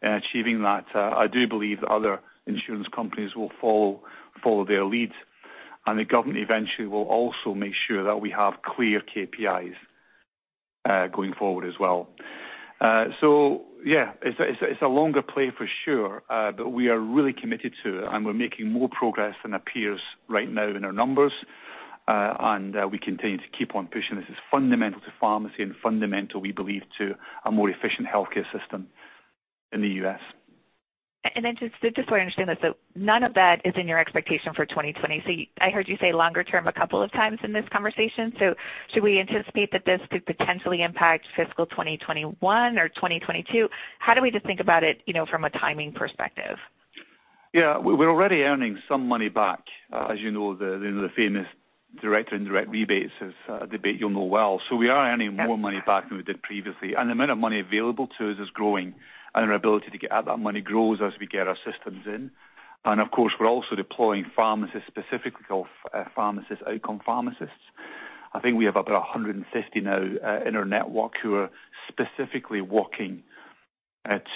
in achieving that. I do believe that other insurance companies will follow their lead, and the government eventually will also make sure that we have clear KPIs going forward as well. Yeah, it's a longer play for sure, but we are really committed to it and we're making more progress than appears right now in our numbers. We continue to keep on pushing. This is fundamental to pharmacy and fundamental, we believe, to a more efficient healthcare system in the U.S. Just so I understand this, none of that is in your expectation for 2020. I heard you say longer term a couple of times in this conversation. Should we anticipate that this could potentially impact fiscal 2021 or 2022? How do we just think about it from a timing perspective? We're already earning some money back. As you know, the famous direct and indirect rebates is a debate you'll know well. We are earning more money back than we did previously. The amount of money available to us is growing, and our ability to get at that money grows as we get our systems in. We're also deploying pharmacists, specifically outcome pharmacists. I think we have about 150 now in our network who are specifically working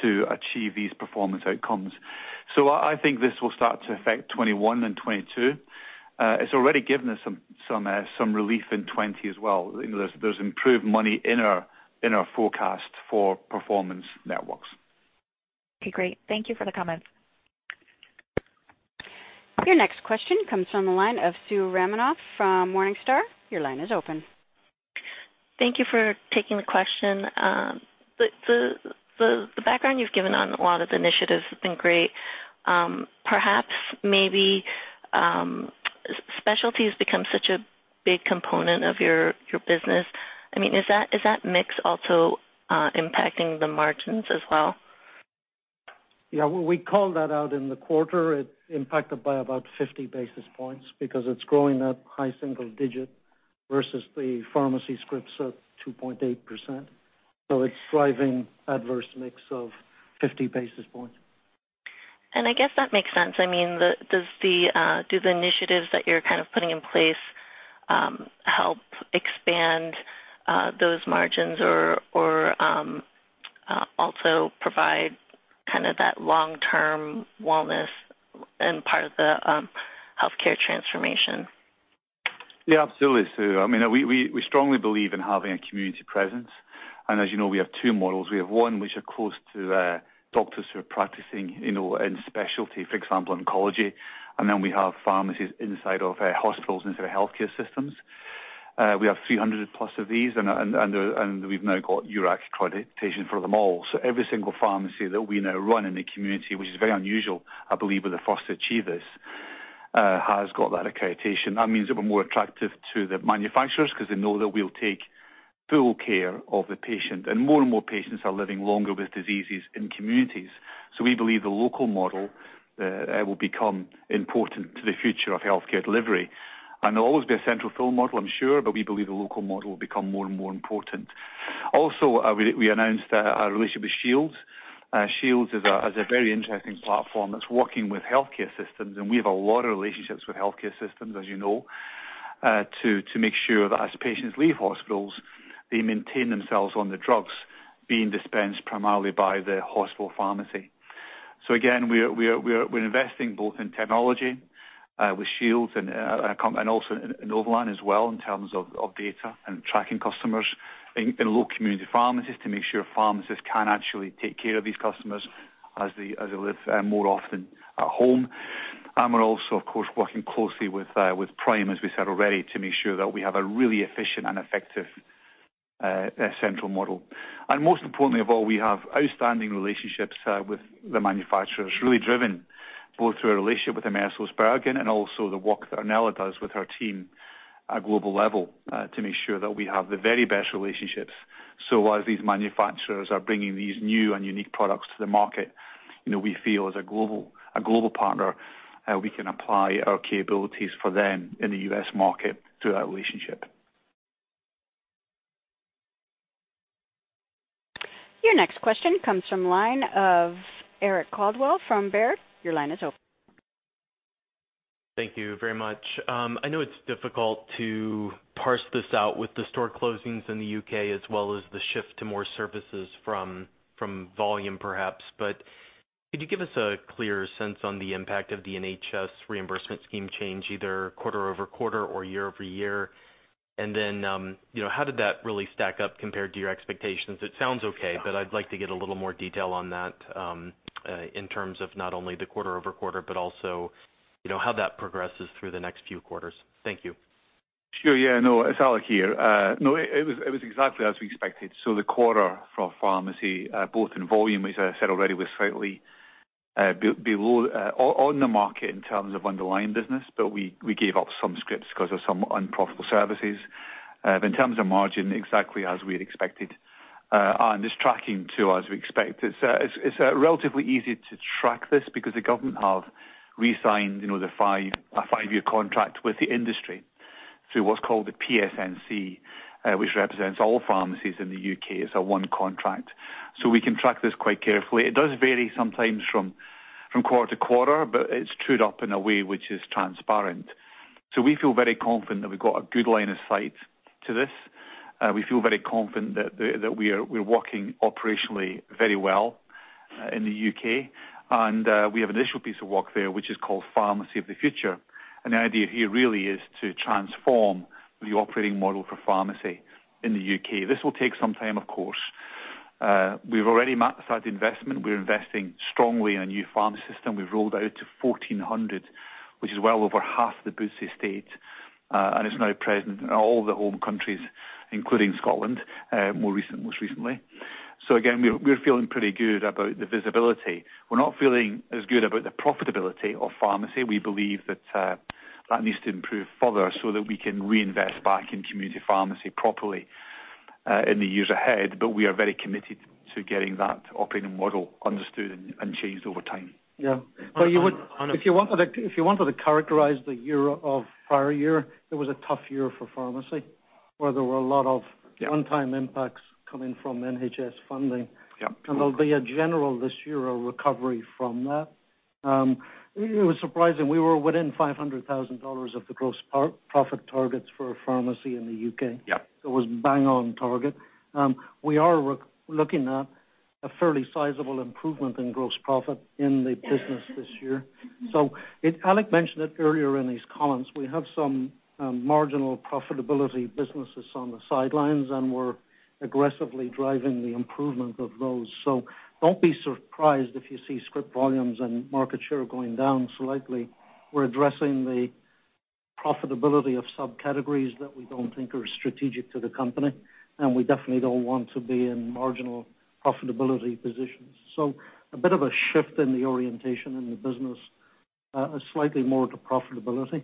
to achieve these performance outcomes. I think this will start to affect 2021 and 2022. It's already given us some relief in 2020 as well. There's improved money in our forecast for performance networks. Okay, great. Thank you for the comment. Your next question comes from the line of Sue Ramunno from Morningstar. Your line is open. Thank you for taking the question. The background you've given on a lot of the initiatives has been great. Perhaps maybe specialty has become such a big component of your business. Is that mix also impacting the margins as well? Yeah, we called that out in the quarter. It impacted by about 50 basis points because it's growing at high single digit versus the pharmacy scripts at 2.8%. It's driving adverse mix of 50 basis points. I guess that makes sense. Do the initiatives that you're putting in place help expand those margins or also provide that long-term wellness and part of the healthcare transformation? Yeah, absolutely, Sue. We strongly believe in having a community presence. As you know, we have two models. We have one which are close to doctors who are practicing in specialty, for example, oncology. Then we have pharmacies inside of hospitals, inside of healthcare systems. We have 300+ of these, and we've now got URAC accreditation for them all. Every single pharmacy that we now run in the community, which is very unusual, I believe we're the first to achieve this, has got that accreditation. That means that we're more attractive to the manufacturers because they know that we'll take full care of the patient. More and more patients are living longer with diseases in communities. We believe the local model will become important to the future of healthcare delivery. There'll always be a central fill model, I'm sure, but we believe the local model will become more and more important. We announced our relationship with Shields. Shields is a very interesting platform that's working with healthcare systems, and we have a lot of relationships with healthcare systems, as you know, to make sure that as patients leave hospitals, they maintain themselves on the drugs being dispensed primarily by the hospital pharmacy. Again, we're investing both in technology with Shields and also in [Novalane] as well, in terms of data and tracking customers in local community pharmacies to make sure pharmacists can actually take care of these customers as they live more often at home. We're also, of course, working closely with Prime, as we said already, to make sure that we have a really efficient and effective central model. Most importantly of all, we have outstanding relationships with the manufacturers, really driven both through our relationship with AmerisourceBergen and also the work that Ornella does with her team at global level to make sure that we have the very best relationships. As these manufacturers are bringing these new and unique products to the market, we feel as a global partner, we can apply our capabilities for them in the U.S. market through that relationship. Your next question comes from line of Eric Coldwell from Baird. Your line is open. Thank you very much. I know it's difficult to parse this out with the store closings in the U.K. as well as the shift to more services from volume perhaps, but could you give us a clearer sense on the impact of the NHS reimbursement scheme change, either quarter-over-quarter or year-over-year? How did that really stack up compared to your expectations? It sounds okay, but I'd like to get a little more detail on that in terms of not only the quarter-over-quarter, but also how that progresses through the next few quarters. Thank you. Sure. Yeah, no, it's Alex here. No, it was exactly as we expected. The quarter for pharmacy, both in volume, as I said already, was slightly below on the market in terms of underlying business, but we gave up some scripts because of some unprofitable services. In terms of margin, exactly as we had expected. It's tracking too, as we expected. It's relatively easy to track this because the government have resigned a five-year contract with the industry through what's called the PSNC, which represents all pharmacies in the U.K. It's one contract. We can track this quite carefully. It does vary sometimes from quarter to quarter, but it's trued up in a way which is transparent. We feel very confident that we've got a good line of sight to this. We feel very confident that we're working operationally very well in the U.K. We have an initial piece of work there, which is called Pharmacy of the Future. The idea here really is to transform the operating model for pharmacy in the U.K. This will take some time, of course. We've already maxed out the investment. We're investing strongly in a new pharmacy system. We've rolled out to 1,400, which is well over half the Boots estate, and it's now present in all the home countries, including Scotland, most recently. Again, we're feeling pretty good about the visibility. We're not feeling as good about the profitability of pharmacy. We believe that that needs to improve further so that we can reinvest back in community pharmacy properly in the years ahead. We are very committed to getting that operating model understood and changed over time. Yeah. If you wanted to characterize the year of prior year, it was a tough year for pharmacy, where there were a lot of- Yeah one-time impacts coming from NHS funding. Yeah. There will be a recovery from that. It was surprising. We were within GBP 500,000 of the gross profit targets for a pharmacy in the U.K. Yeah. It was bang on target. We are looking at a fairly sizable improvement in gross profit in the business this year. Alex mentioned it earlier in his comments. We have some marginal profitability businesses on the sidelines, and we're aggressively driving the improvement of those. Don't be surprised if you see script volumes and market share going down slightly. We're addressing the profitability of subcategories that we don't think are strategic to the company, and we definitely don't want to be in marginal profitability positions. A bit of a shift in the orientation in the business, slightly more to profitability.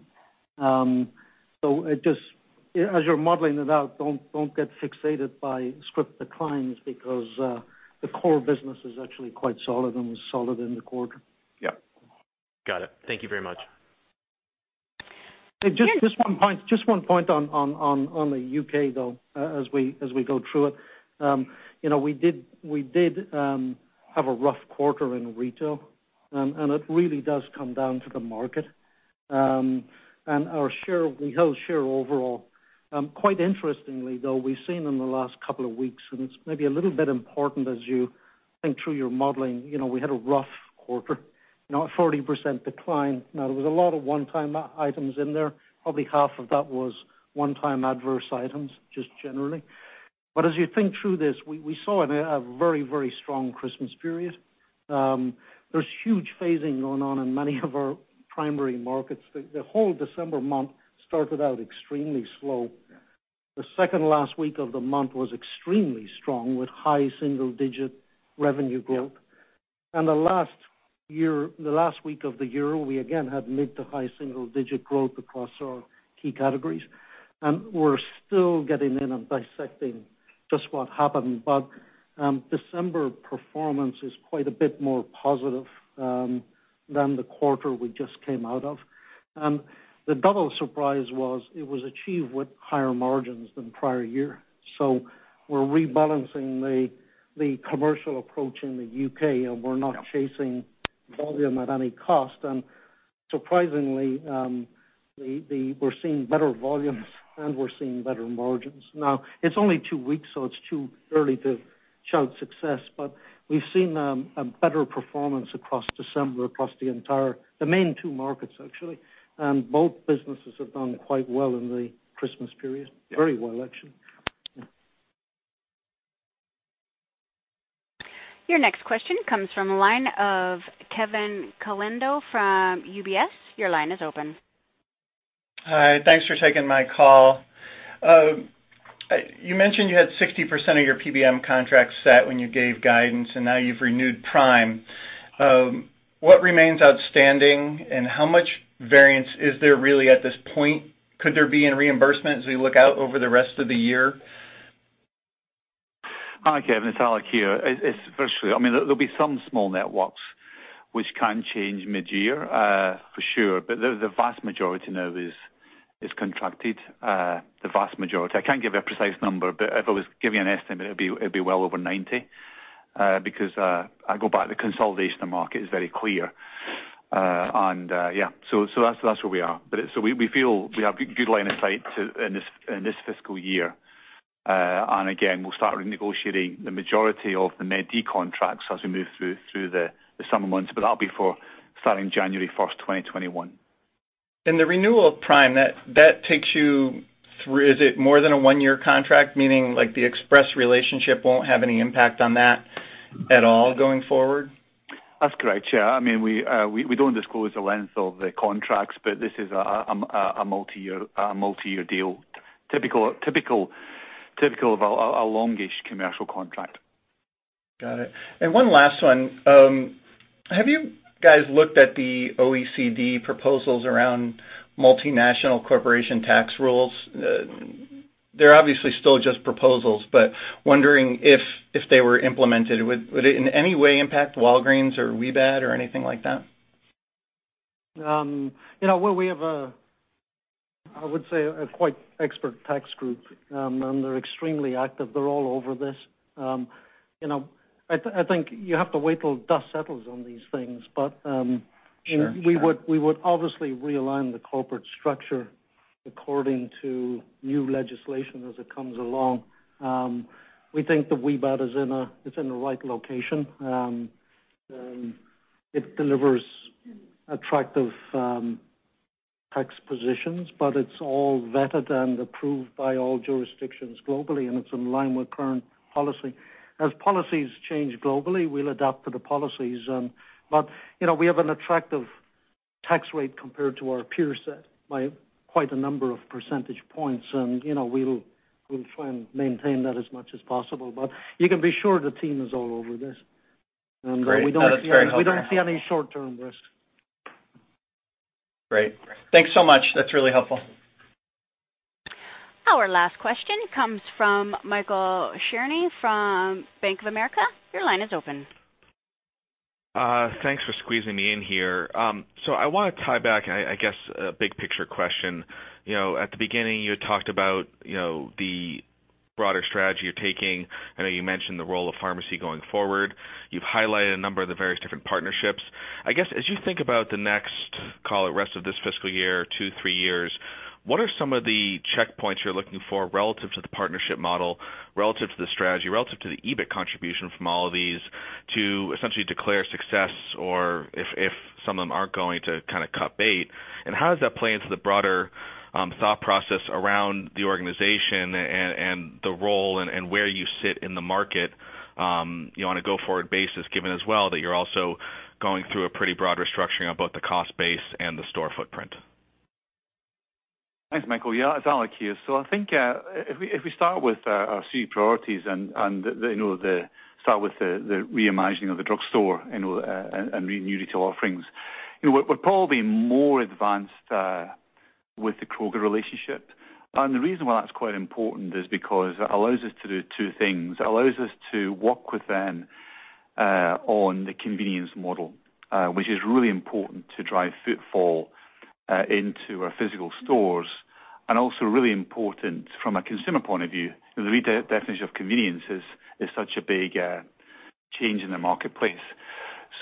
As you're modeling it out, don't get fixated by script declines because the core business is actually quite solid and was solid in the quarter. Yep. Got it. Thank you very much. Just one point on the U.K., though, as we go through it. We did have a rough quarter in retail, it really does come down to the market. Our share, we held share overall. Quite interestingly, though, we've seen in the last couple of weeks, it's maybe a little bit important as you think through your modeling, we had a rough quarter, a 40% decline. Now, there was a lot of one-time items in there. Probably half of that was one-time adverse items, just generally. As you think through this, we saw a very strong Christmas period. There's huge phasing going on in many of our primary markets. The whole December month started out extremely slow. The second last week of the month was extremely strong with high single-digit revenue growth. Yeah. The last week of the year, we again had mid to high single-digit growth across our key categories. We're still getting in and dissecting just what happened. December performance is quite a bit more positive than the quarter we just came out of. The double surprise was it was achieved with higher margins than prior year. We're rebalancing the commercial approach in the U.K. Yeah chasing volume at any cost. Surprisingly, we're seeing better volumes and we're seeing better margins. It's only two weeks, so it's too early to shout success, but we've seen a better performance across December, across the main two markets, actually. Both businesses have done quite well in the Christmas period. Very well, actually. Yeah. Your next question comes from the line of Kevin Caliendo from UBS. Your line is open. Hi, thanks for taking my call. You mentioned you had 60% of your PBM contracts set when you gave guidance, and now you've renewed Prime. What remains outstanding, and how much variance is there really at this point? Could there be any reimbursement as we look out over the rest of the year? Hi, Kevin. It's Alex here. Virtually, there'll be some small networks which can change mid-year, for sure. The vast majority now is contracted. The vast majority. I can't give you a precise number, but if I was giving you an estimate, it'd be well over 90. I go back, the consolidation market is very clear. That's where we are. We feel we have good line of sight in this fiscal year. Again, we'll start renegotiating the majority of the Med D contracts as we move through the summer months, but that'll be for starting January 1st, 2021. The renewal of Prime, that takes you through, is it more than a one-year contract? Meaning, like, the Express relationship won't have any impact on that at all going forward? That's correct, yeah. We don't disclose the length of the contracts, but this is a multi-year deal. Typical of a longish commercial contract. Got it. One last one. Have you guys looked at the OECD proposals around multinational corporation tax rules? They're obviously still just proposals, but wondering if they were implemented, would it in any way impact Walgreens or WBAD or anything like that? Well, we have, I would say, a quite expert tax group. They're extremely active. They're all over this. I think you have to wait till dust settles on these things. Sure We would obviously realign the corporate structure according to new legislation as it comes along. We think the WBAD is in the right location. It delivers attractive tax positions, but it's all vetted and approved by all jurisdictions globally, and it's in line with current policy. As policies change globally, we'll adapt to the policies. We have an attractive tax rate compared to our peer set by quite a number of percentage points, and we'll try and maintain that as much as possible. You can be sure the team is all over this. Great. That is very helpful. We don't see any short-term risk. Great. Thanks so much. That's really helpful. Our last question comes from Michael Cherny from Bank of America. Your line is open. Thanks for squeezing me in here. I want to tie back, I guess, a big picture question. At the beginning, you had talked about the broader strategy you're taking. I know you mentioned the role of pharmacy going forward. You've highlighted a number of the various different partnerships. I guess, as you think about the next call it rest of this fiscal year, two, three years, what are some of the checkpoints you're looking for relative to the partnership model, relative to the strategy, relative to the EBIT contribution from all of these to essentially declare success, or if some of them aren't going to cut bait? How does that play into the broader thought process around the organization and the role and where you sit in the market on a go-forward basis, given as well that you're also going through a pretty broad restructuring of both the cost base and the store footprint? Thanks, Michael. Yeah, it's Alex here. I think, if we start with our suite priorities and start with the reimagining of the drugstore and new retail offerings. We're probably more advanced with the Kroger relationship. The reason why that's quite important is because it allows us to do two things. It allows us to work with them on the convenience model, which is really important to drive footfall into our physical stores, and also really important from a consumer point of view. The redefinition of convenience is such a big change in the marketplace.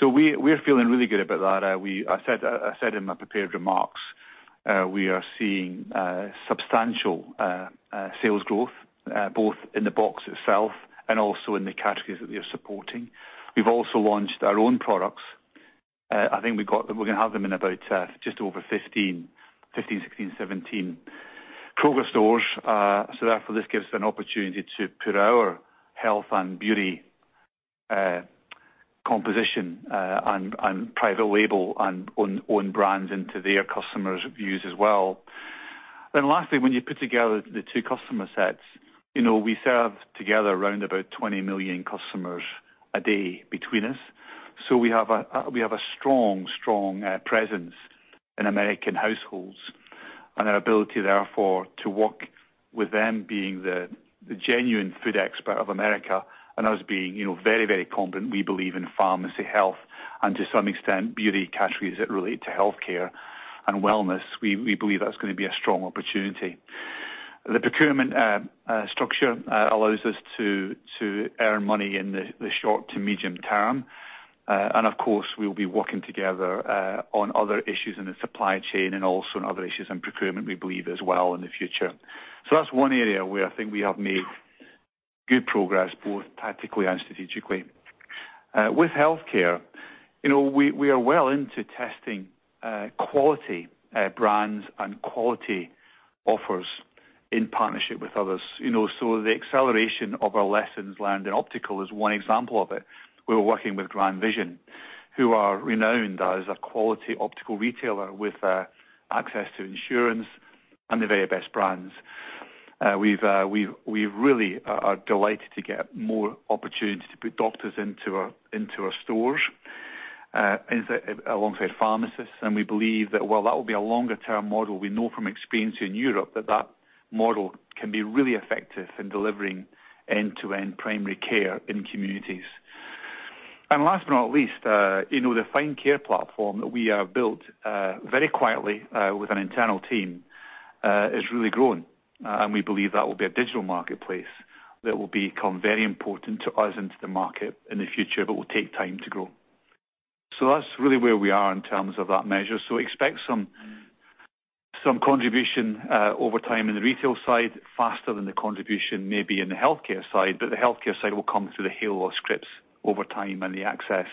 We're feeling really good about that. I said in my prepared remarks, we are seeing substantial sales growth, both in the box itself and also in the categories that we are supporting. We've also launched our own products. I think we're going to have them in about just over 15, 16, 17 Kroger stores. Therefore, this gives an opportunity to put our health and beauty composition and private label and own brands into their customers' views as well. Lastly, when you put together the two customer sets, we serve together around about 20 million customers a day between us. We have a strong presence in American households, and our ability, therefore, to work with them being the genuine food expert of America, and us being very competent, we believe in pharmacy health and to some extent beauty categories that relate to healthcare and wellness. We believe that's going to be a strong opportunity. The procurement structure allows us to earn money in the short to medium term. Of course, we'll be working together on other issues in the supply chain and also on other issues in procurement, we believe as well in the future. That's one area where I think we have made good progress, both tactically and strategically. With healthcare, we are well into testing quality brands and quality offers in partnership with others. The acceleration of our lessons learned in optical is one example of it. We were working with GrandVision, who are renowned as a quality optical retailer with access to insurance and the very best brands. We really are delighted to get more opportunity to put doctors into our stores alongside pharmacists. We believe that while that will be a longer-term model, we know from experience in Europe that that model can be really effective in delivering end-to-end primary care in communities. Last but not least, the Find Care platform that we have built very quietly with an internal team is really growing. We believe that will be a digital marketplace that will become very important to us and to the market in the future, but will take time to grow. That's really where we are in terms of that measure. Expect some contribution over time in the retail side faster than the contribution maybe in the healthcare side, but the healthcare side will come through the halo scripts over time and the access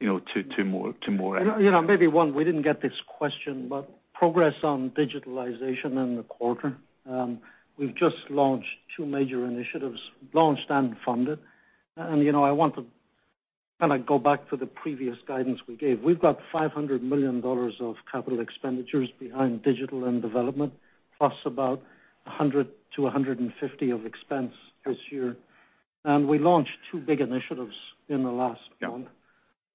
to more end. Maybe one, we didn't get this question, but progress on digitalization in the quarter. We've just launched two major initiatives, launched and funded. I want to go back to the previous guidance we gave. We've got $500 million of capital expenditures behind digital and development, plus about $100 million to $150 million of expense this year. We launched two big initiatives in the last month. Yeah.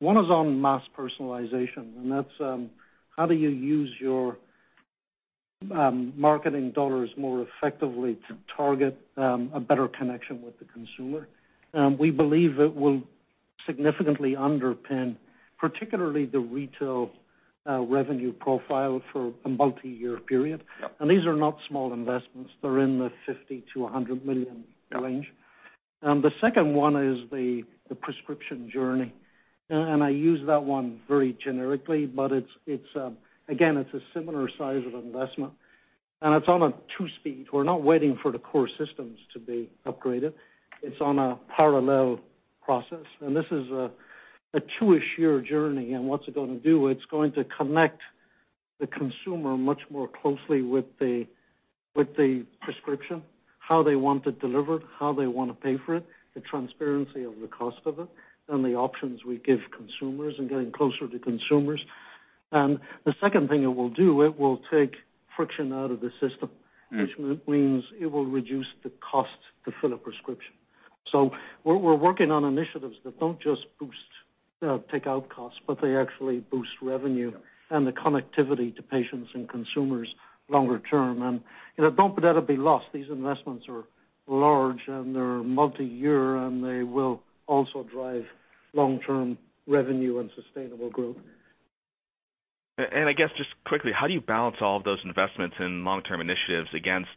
One is on mass personalization, and that's how do you use your marketing dollars more effectively to target a better connection with the consumer. We believe it will significantly underpin particularly the retail revenue profile for a multi-year period. Yeah. These are not small investments. They're in the $50 million-$100 million range. Yeah. The second one is the prescription journey. I use that one very generically, but again, it's a similar size of investment, it's on a two-speed. We're not waiting for the core systems to be upgraded. It's on a parallel process, this is a two-ish year journey. What's it going to do? It's going to connect the consumer much more closely with the prescription, how they want it delivered, how they want to pay for it, the transparency of the cost of it, the options we give consumers and getting closer to consumers. The second thing it will do, it will take friction out of the system. which means it will reduce the cost to fill a prescription. We're working on initiatives that don't just take out costs, but they actually boost revenue and the connectivity to patients and consumers longer term. Don't let that be lost. These investments are large, and they're multi-year, and they will also drive long-term revenue and sustainable growth. I guess just quickly, how do you balance all of those investments in long-term initiatives against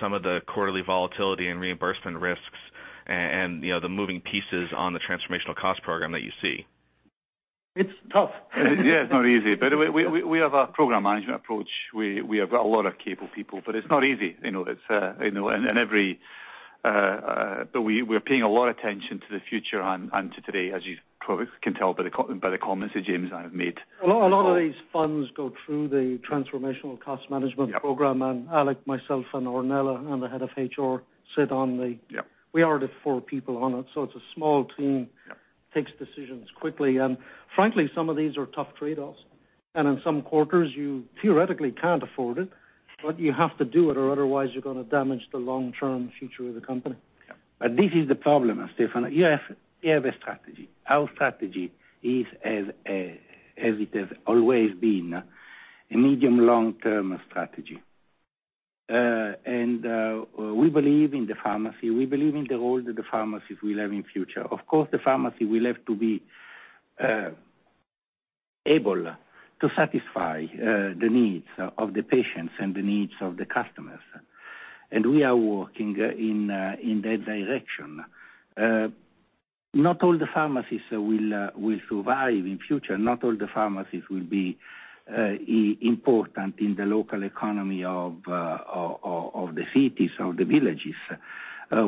some of the quarterly volatility and reimbursement risks and the moving pieces on the transformational cost program that you see? It's tough. Yeah, it's not easy. We have a program management approach. We have got a lot of capable people, but it's not easy. We're paying a lot attention to the future and to today, as you probably can tell by the comments that James and I have made. A lot of these funds go through the transformational cost management program. Yeah. Alex, myself, and Ornella, and the head of HR sit on the. Yeah. We are the four people on it, so it's a small team. Yeah. Takes decisions quickly. Frankly, some of these are tough trade-offs, and in some quarters, you theoretically can't afford it, but you have to do it, or otherwise you're going to damage the long-term future of the company. Yeah. This is the problem, Stefano. You have a strategy. Our strategy is, as it has always been, a medium long-term strategy. We believe in the pharmacy. We believe in the role that the pharmacies will have in future. Of course, the pharmacy will have to be able to satisfy the needs of the patients and the needs of the customers. We are working in that direction. Not all the pharmacies will survive in future. Not all the pharmacies will be important in the local economy of the cities, of the villages.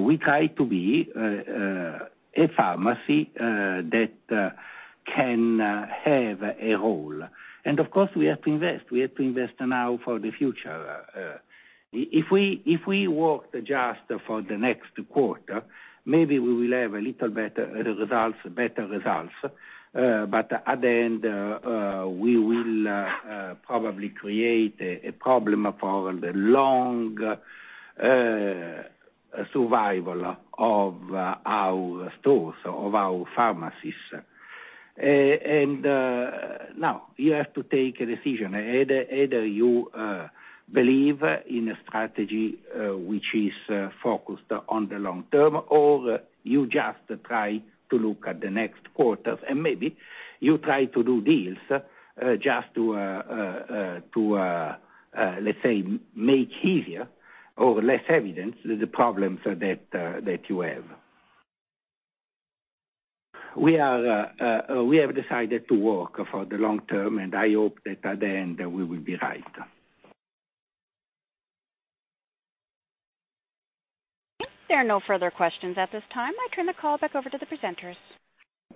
We try to be a pharmacy that can have a role. Of course, we have to invest. We have to invest now for the future. If we worked just for the next quarter, maybe we will have a little better results. At the end, we will probably create a problem for the long survival of our stores, of our pharmacies. Now you have to take a decision. Either you believe in a strategy which is focused on the long term, or you just try to look at the next quarter, and maybe you try to do deals just to, let's say, make easier or less evident the problems that you have. We have decided to work for the long term, and I hope that at the end we will be right. There are no further questions at this time. I turn the call back over to the presenters.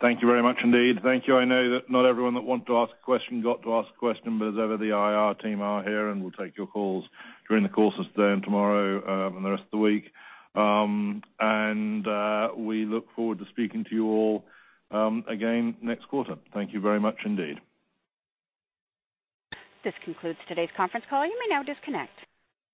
Thank you very much indeed. Thank you. I know that not everyone that wanted to ask a question got to ask a question. As ever, the IR team are here, and we'll take your calls during the course of today and tomorrow, and the rest of the week. We look forward to speaking to you all again next quarter. Thank you very much indeed. This concludes today's conference call. You may now disconnect.